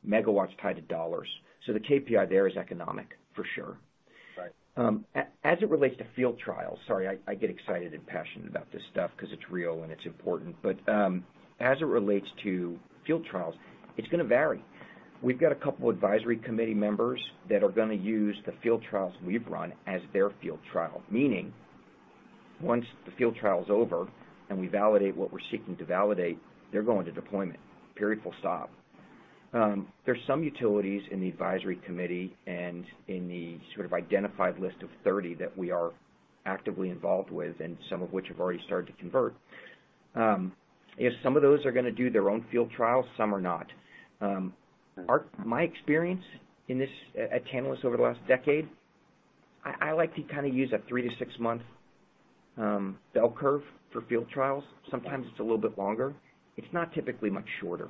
Megawatts tied to dollars. So the KPI there is economic, for sure. Right. As it relates to field trials, sorry, I get excited and passionate about this stuff 'cause it's real and it's important. But, as it relates to field trials, it's gonna vary. We've got a couple of advisory committee members that are gonna use the field trials we've run as their field trial, meaning once the field trial is over and we validate what we're seeking to validate, they're going to deployment, period, full stop. There's some utilities in the advisory committee and in the sort of identified list of 30 that we are actively involved with, and some of which have already started to convert. Yeah, some of those are gonna do their own field trials, some are not. My experience in this, at Tantalus over the last decade, I like to kind of use a three- to six-month bell curve for field trials. Sometimes it's a little bit longer. It's not typically much shorter.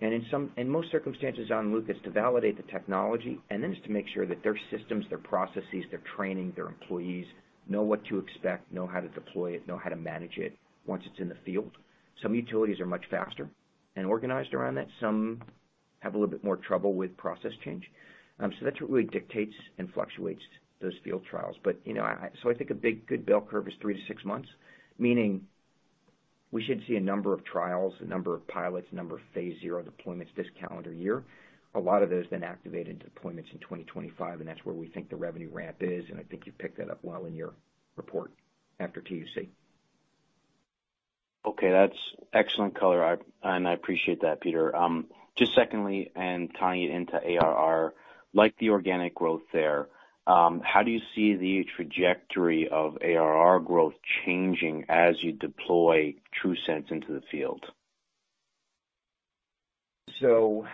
In most circumstances, Gianluca, it's to validate the technology, and then it's to make sure that their systems, their processes, their training, their employees know what to expect, know how to deploy it, know how to manage it once it's in the field. Some utilities are much faster and organized around that. Some have a little bit more trouble with process change. So that's what really dictates and fluctuates those field trials. But, you know, so I think a big, good bell curve is three to six months, meaning we should see a number of trials, a number of pilots, a number of phase zero deployments this calendar year. A lot of those then activate into deployments in 2025, and that's where we think the revenue ramp is, and I think you've picked that up well in your report after TUC. Okay, that's excellent color, and I appreciate that, Peter. Just secondly, and tying it into ARR, like the organic growth there, how do you see the trajectory of ARR growth changing as you deploy TRUSense into the field? So,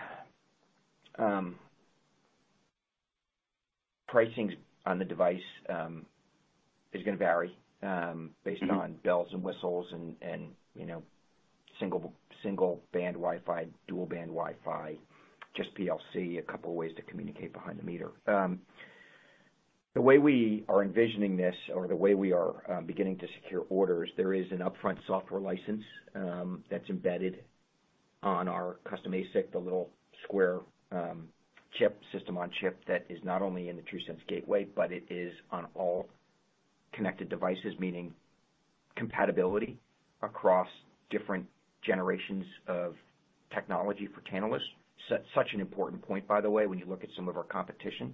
pricing on the device is gonna vary based on bells and whistles and, you know, single band Wi-Fi, dual band Wi-Fi, just PLC, a couple of ways to communicate behind the meter. The way we are envisioning this or the way we are beginning to secure orders, there is an upfront software license that's embedded on our custom ASIC, the little square chip, system on chip, that is not only in the TRUSense Gateway, but it is on all connected devices, meaning compatibility across different generations of technology for Tantalus. Such an important point, by the way, when you look at some of our competition,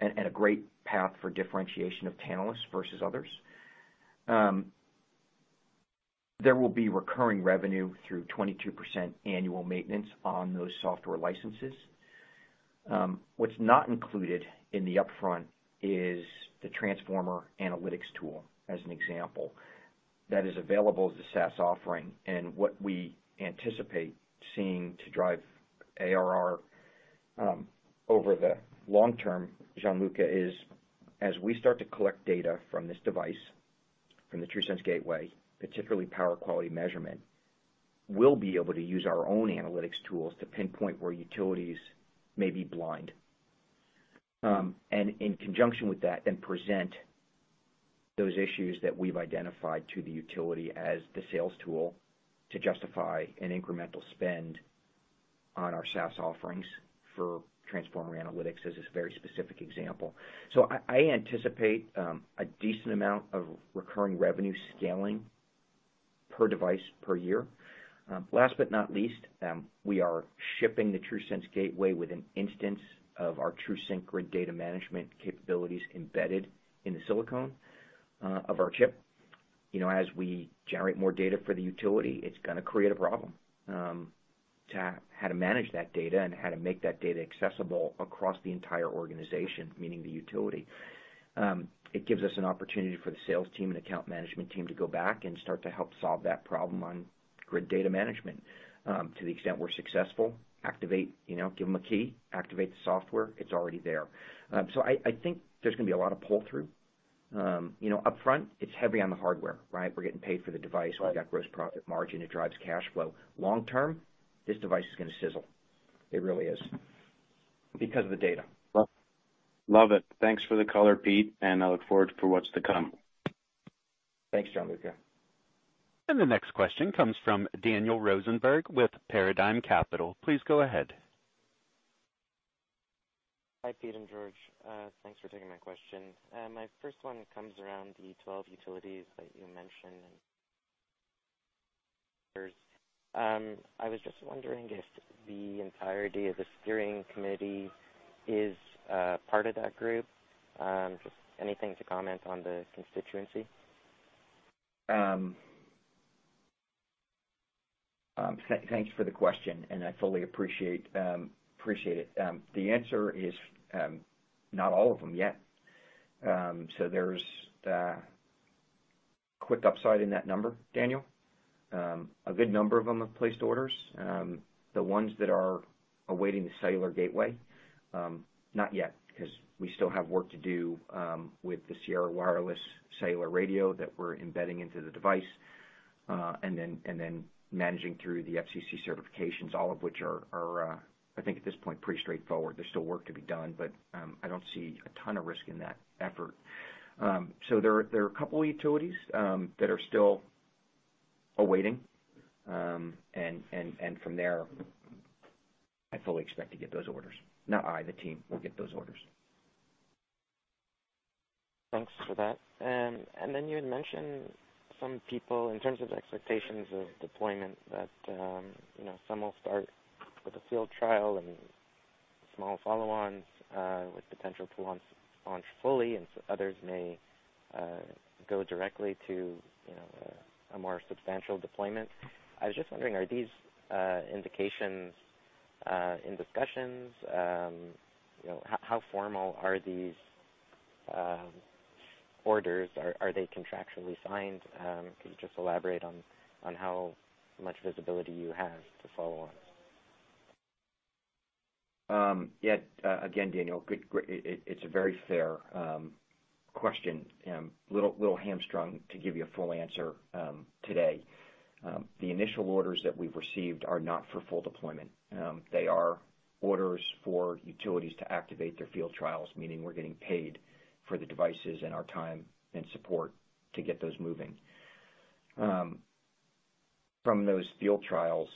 and a great path for differentiation of Tantalus versus others. There will be recurring revenue through 22% annual maintenance on those software licenses. What's not included in the upfront is the transformer analytics tool, as an example. That is available as a SaaS offering, and what we anticipate seeing to drive ARR, over the long term, Gianluca, is as we start to collect data from this device, from the TRUSense Gateway, particularly power quality measurement, we'll be able to use our own analytics tools to pinpoint where utilities may be blind. And in conjunction with that, then present those issues that we've identified to the utility as the sales tool to justify an incremental spend on our SaaS offerings for transformer analytics, as a very specific example. So I, I anticipate, a decent amount of recurring revenue scaling per device per year. Last but not least, we are shipping the TRUSense Gateway with an instance of our TRUSync grid data management capabilities embedded in the silicon of our chip. You know, as we generate more data for the utility, it's gonna create a problem to how to manage that data and how to make that data accessible across the entire organization, meaning the utility. It gives us an opportunity for the sales team and account management team to go back and start to help solve that problem on grid data management. To the extent we're successful, activate, you know, give them a key, activate the software, it's already there. So I think there's gonna be a lot of pull through. You know, upfront, it's heavy on the hardware, right? We're getting paid for the device. We've got gross profit margin, it drives cash flow. Long term, this device is gonna sizzle. It really is, because of the data. Love it. Thanks for the color, Pete, and I look forward for what's to come. Thanks, Gianluca. The next question comes from Daniel Rosenberg with Paradigm Capital. Please go ahead. Hi, Pete and George. Thanks for taking my question. My first one comes around the 12 utilities that you mentioned and I was just wondering if the entirety of the steering committee is part of that group? Just anything to comment on the constituency? Thanks for the question, and I fully appreciate it. The answer is not all of them yet. So there's quick upside in that number, Daniel. A good number of them have placed orders. The ones that are awaiting the cellular gateway not yet, because we still have work to do with the Sierra Wireless cellular radio that we're embedding into the device, and then managing through the FCC certifications, all of which are, I think at this point, pretty straightforward. There's still work to be done, but I don't see a ton of risk in that effort. So there are a couple of utilities that are still awaiting, and from there, I fully expect to get those orders. Not I, the team will get those orders. Thanks for that. And then you had mentioned some people, in terms of expectations of deployment, that, you know, some will start with a field trial and small follow-ons, with potential to launch fully, and so others may, go directly to, you know, a more substantial deployment. I was just wondering, are these, indications, in discussions? You know, how formal are these, orders? Are they contractually signed? Can you just elaborate on, how much visibility you have to follow on? Yeah, again, Daniel, good, great, it, it, it's a very fair question. Little, little hamstrung to give you a full answer today. The initial orders that we've received are not for full deployment. They are orders for utilities to activate their field trials, meaning we're getting paid for the devices and our time and support to get those moving. From those field trials,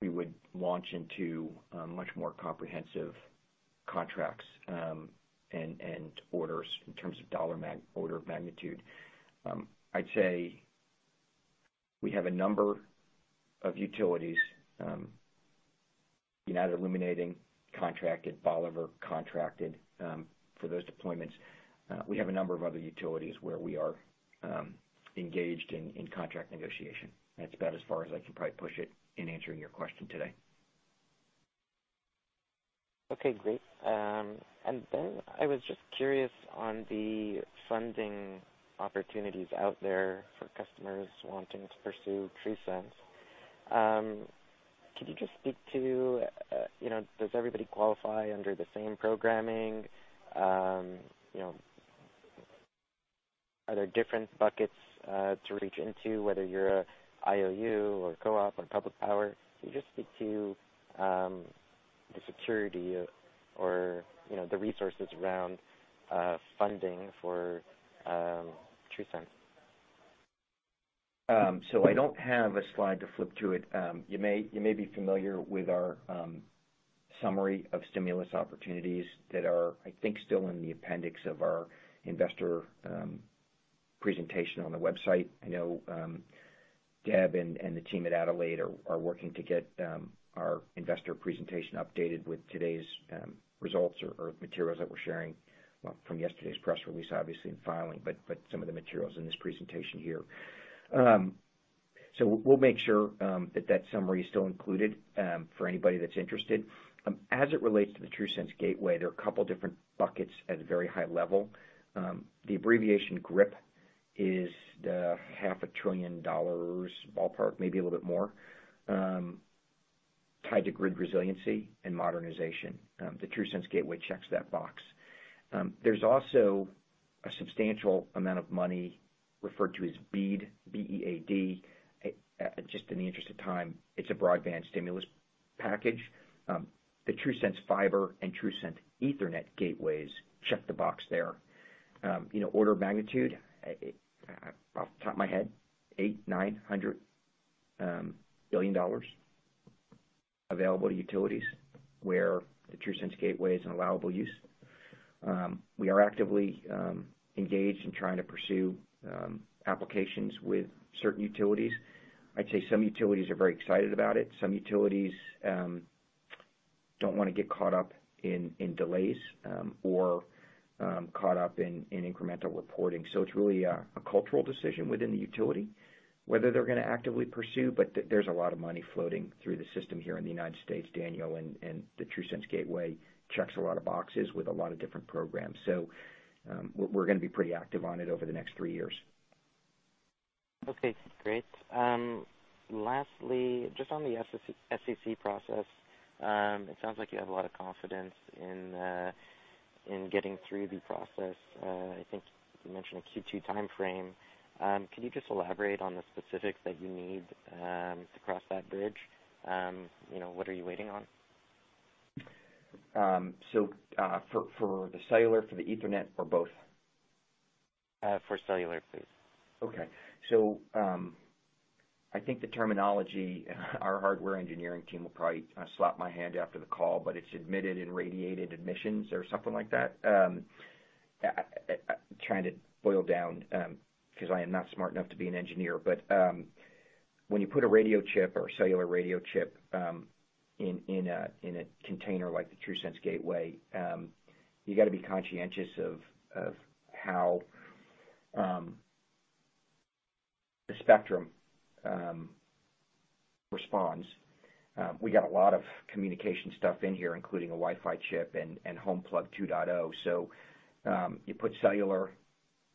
we would launch into much more comprehensive contracts, and orders in terms of dollar mag- order of magnitude. I'd say we have a number of utilities, United Illuminating contracted, Bolivar contracted, for those deployments. We have a number of other utilities where we are engaged in contract negotiation. That's about as far as I can probably push it in answering your question today. Okay, great. And then I was just curious on the funding opportunities out there for customers wanting to pursue TRUSense. Could you just speak to, you know, does everybody qualify under the same programming? You know, are there different buckets to reach into, whether you're a IOU or co-op or public power? Can you just speak to the security or, you know, the resources around funding for TRUSense? So I don't have a slide to flip through it. You may be familiar with our summary of stimulus opportunities that are, I think, still in the appendix of our investor presentation on the website. I know Deb and the team at Tantalus are working to get our investor presentation updated with today's results or materials that we're sharing, well, from yesterday's press release, obviously, and filing, but some of the materials in this presentation here. So we'll make sure that summary is still included for anybody that's interested. As it relates to the TRUSense Gateway, there are a couple different buckets at a very high level. The abbreviation GRIP is $0.5 trillion, ballpark, maybe a little bit more, tied to grid resiliency and modernization. The TRUSense Gateway checks that box. There's also a substantial amount of money referred to as BEAD, B-E-A-D. Just in the interest of time, it's a broadband stimulus package. The TRUSense Fiber and TRUSense Ethernet Gateways check the box there. You know, order of magnitude, off the top of my head, $800 billion-$900 billion available to utilities, where the TRUSense Gateway is an allowable use. We are actively engaged in trying to pursue applications with certain utilities. I'd say some utilities are very excited about it. Some utilities don't wanna get caught up in delays or caught up in incremental reporting. So it's really a cultural decision within the utility, whether they're gonna actively pursue, but there's a lot of money floating through the system here in the United States, Daniel, and and the TRUSense Gateway checks a lot of boxes with a lot of different programs. So, we're gonna be pretty active on it over the next three years. Okay, great. Lastly, just on the FCC, FCC process, it sounds like you have a lot of confidence in getting through the process. I think you mentioned a Q2 timeframe. Can you just elaborate on the specifics that you need to cross that bridge? You know, what are you waiting on? So, for the cellular, for the Ethernet or both? For cellular, please. Okay. So, I think the terminology, our hardware engineering team will probably slap my hand after the call, but it's emitted and radiated emissions or something like that. Trying to boil down because I am not smart enough to be an engineer. But when you put a radio chip or cellular radio chip in a container like the TRUSense Gateway, you gotta be conscientious of how the spectrum responds. We got a lot of communication stuff in here, including a Wi-Fi chip and Homeplug 2.0. So, you put cellular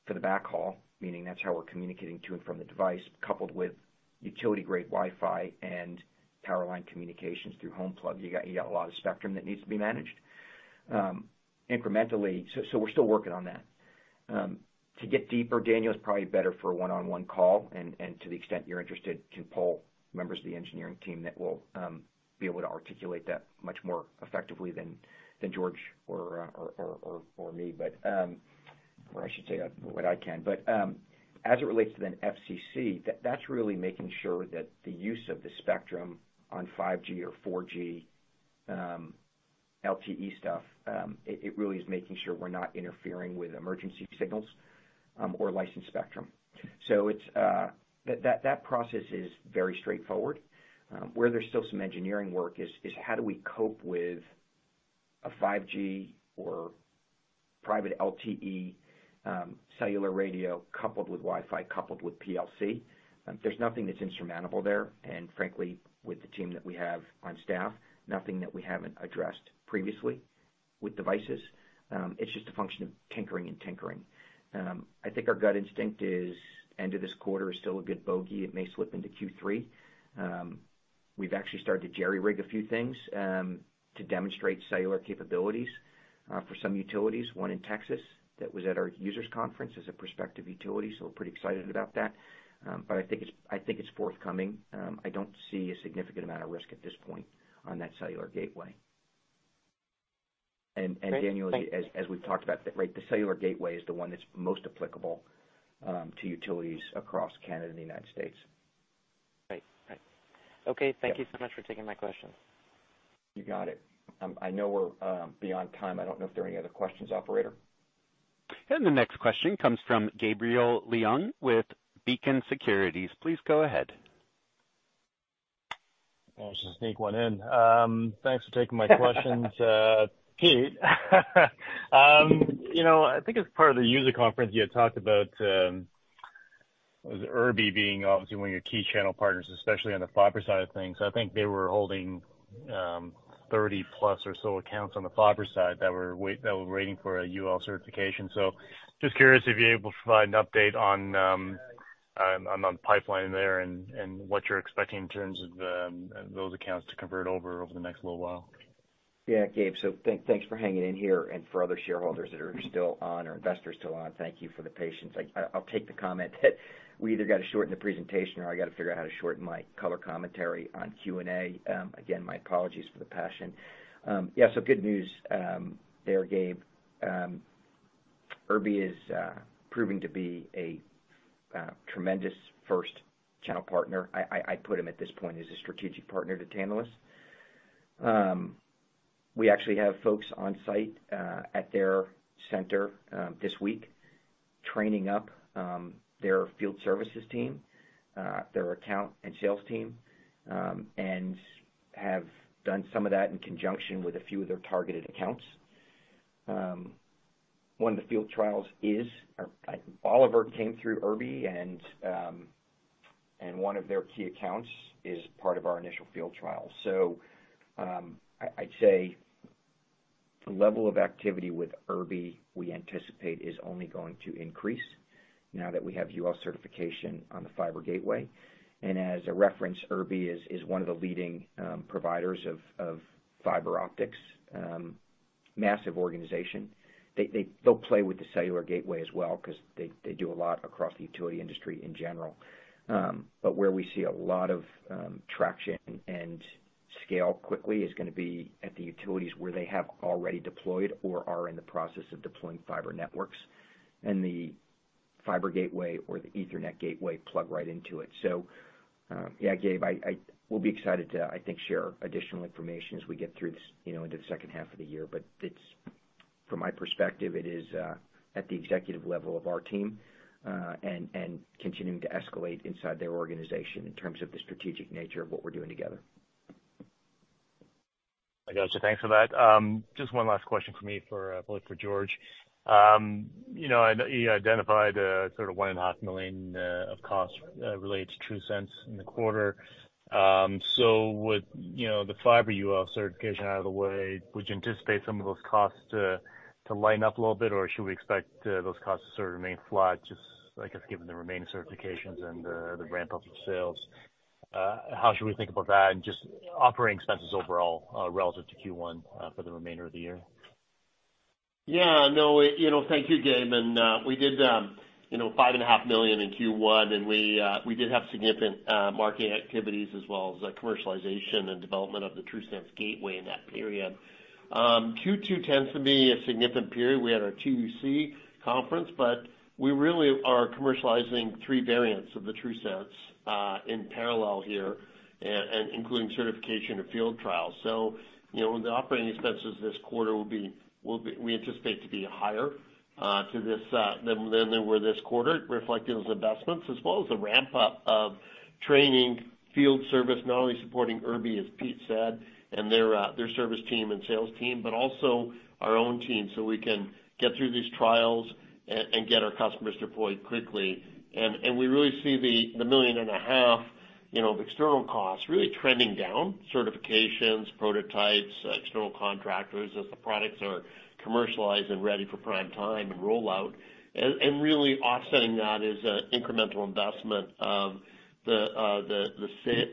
for the backhaul, meaning that's how we're communicating to and from the device, coupled with utility-grade Wi-Fi and power line communications through Homeplug. You got a lot of spectrum that needs to be managed incrementally. So, we're still working on that. To get deeper, Daniel, it's probably better for a one-on-one call, and to the extent you're interested, can pull members of the engineering team that will be able to articulate that much more effectively than George or me. But, or I should say, what I can. But, as it relates to the FCC, that's really making sure that the use of the spectrum on 5G or 4G LTE stuff, it really is making sure we're not interfering with emergency signals or licensed spectrum. So it's. That process is very straightforward. Where there's still some engineering work is how do we cope with a 5G or private LTE cellular radio, coupled with Wi-Fi, coupled with PLC? There's nothing that's insurmountable there, and frankly, with the team that we have on staff, nothing that we haven't addressed previously with devices. It's just a function of tinkering and tinkering. I think our gut instinct is end of this quarter is still a good bogey. It may slip into Q3. We've actually started to jerry-rig a few things, to demonstrate cellular capabilities, for some utilities, one in Texas that was at our users conference as a prospective utility, so we're pretty excited about that. But I think it's, I think it's forthcoming. I don't see a significant amount of risk at this point on that cellular gateway. And Daniel, as we've talked about, right, the cellular gateway is the one that's most applicable, to utilities across Canada and the United States. Right. Right. Okay. Yeah. Thank you so much for taking my question. You got it. I know we're beyond time. I don't know if there are any other questions, operator? The next question comes from Gabriel Leung with Beacon Securities. Please go ahead. I'll just sneak one in. Thanks for taking my questions, Pete. You know, I think as part of the user conference, you had talked about, was Irby being obviously one of your key channel partners, especially on the fiber side of things. I think they were holding, 30+ or so accounts on the fiber side that were that were waiting for a UL certification. So just curious if you're able to provide an update on, on the pipeline there and, and what you're expecting in terms of the, those accounts to convert over over the next little while. Yeah, Gabe. So thanks for hanging in here and for other shareholders that are still on, or investors still on, thank you for the patience. I'll take the comment that we either got to shorten the presentation or I got to figure out how to shorten my color commentary on Q&A. Again, my apologies for the passion. Yeah, so good news, there, Gabe. Irby is proving to be a tremendous first channel partner. I put them at this point as a strategic partner to Tantalus. We actually have folks on site at their center this week, training up their field services team, their account and sales team, and have done some of that in conjunction with a few of their targeted accounts. All of it came through Irby, and one of their key accounts is part of our initial field trial. So, I'd say the level of activity with Irby, we anticipate is only going to increase now that we have UL certification on the fiber gateway. And as a reference, Irby is one of the leading providers of fiber optics, massive organization. They'll play with the cellular gateway as well, 'cause they do a lot across the utility industry in general. But where we see a lot of traction and scale quickly is gonna be at the utilities where they have already deployed or are in the process of deploying fiber networks, and the fiber gateway or the Ethernet gateway plug right into it. So, yeah, Gabe, we'll be excited to, I think, share additional information as we get through this, you know, into the second half of the year. But it's, from my perspective, it is, at the executive level of our team, and continuing to escalate inside their organization in terms of the strategic nature of what we're doing together. I got you. Thanks for that. Just one last question from me for, probably for George. You know, you identified, sort of $1.5 million of costs related to TRUSense in the quarter. So with, you know, the fiber UL certification out of the way, would you anticipate some of those costs to lighten up a little bit? Or should we expect those costs to sort of remain flat, just, I guess, given the remaining certifications and the ramp-up of sales? How should we think about that and just operating expenses overall, relative to Q1, for the remainder of the year? Yeah, no, you know, thank you, Gabe. And, we did, you know, $5.5 million in Q1, and we, we did have significant, marketing activities as well as commercialization and development of the TRUSense Gateway in that period. Q2 tends to be a significant period. We had our TUC conference, but we really are commercializing three variants of the TRUSense, in parallel here, and, and including certification and field trials. So you know, the operating expenses this quarter will be, we anticipate to be higher than they were this quarter, reflecting those investments, as well as the ramp-up of training, field service, not only supporting Irby, as Pete said, and their service team and sales team, but also our own team, so we can get through these trials and get our customers deployed quickly. We really see the $1.5 million, you know, of external costs really trending down. Certifications, prototypes, external contractors, as the products are commercialized and ready for prime time and rollout. Really offsetting that is incremental investment of the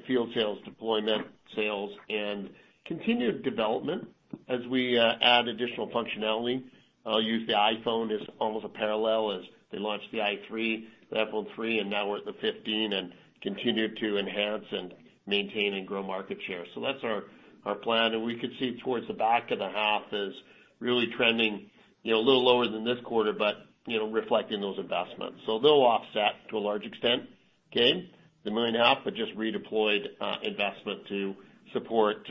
field sales, deployment sales, and continued development as we add additional functionality. I'll use the iPhone as almost a parallel as they launched the i3, the Apple 3, and now we're at the 15, and continue to enhance and maintain and grow market share. So that's our, our plan, and we could see towards the back of the half as really trending, you know, a little lower than this quarter, but, you know, reflecting those investments. So they'll offset to a large extent, Gabe, the $1.5 million, but just redeployed investment to support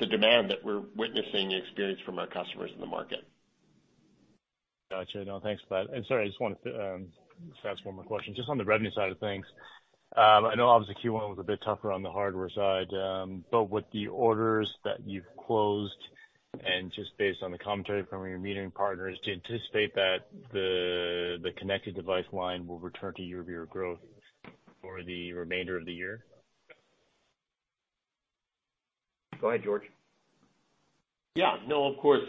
the demand that we're witnessing experienced from our customers in the market. Gotcha. No, thanks for that. And sorry, I just wanted to, ask one more question. Just on the revenue side of things, I know obviously Q1 was a bit tougher on the hardware side, but with the orders that you've closed, and just based on the commentary from your meeting partners, do you anticipate that the, the connected device line will return to year-over-year growth for the remainder of the year? Go ahead, George. Yeah, no, of course.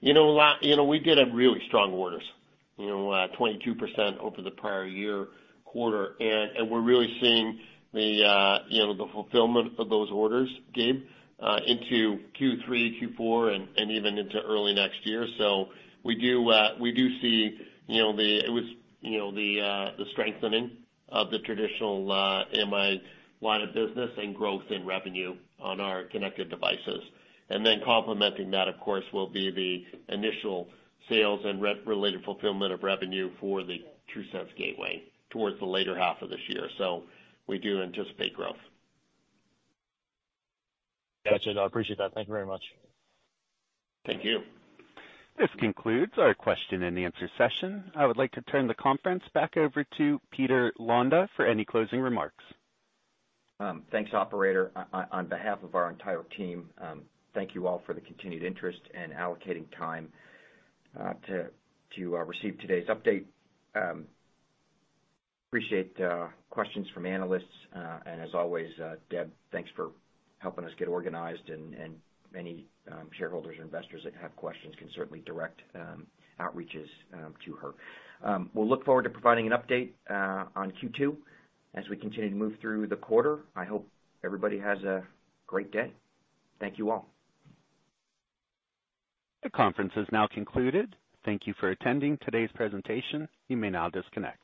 You know, you know, we did have really strong orders, you know, 22% over the prior year quarter, and we're really seeing the fulfillment of those orders, Gabe, into Q3, Q4, and even into early next year. So we do see, you know, the strengthening of the traditional MI line of business and growth in revenue on our connected devices. And then complementing that, of course, will be the initial sales and related fulfillment of revenue for the TRUSense Gateway towards the later half of this year. So we do anticipate growth. Gotcha. I appreciate that. Thank you very much. Thank you. This concludes our question and answer session. I would like to turn the conference back over to Peter Londa for any closing remarks. Thanks, operator. On behalf of our entire team, thank you all for the continued interest and allocating time to receive today's update. Appreciate questions from analysts, and as always, Deb, thanks for helping us get organized and many shareholders and investors that have questions can certainly direct outreaches to her. We'll look forward to providing an update on Q2 as we continue to move through the quarter. I hope everybody has a great day. Thank you, all. The conference is now concluded. Thank you for attending today's presentation. You may now disconnect.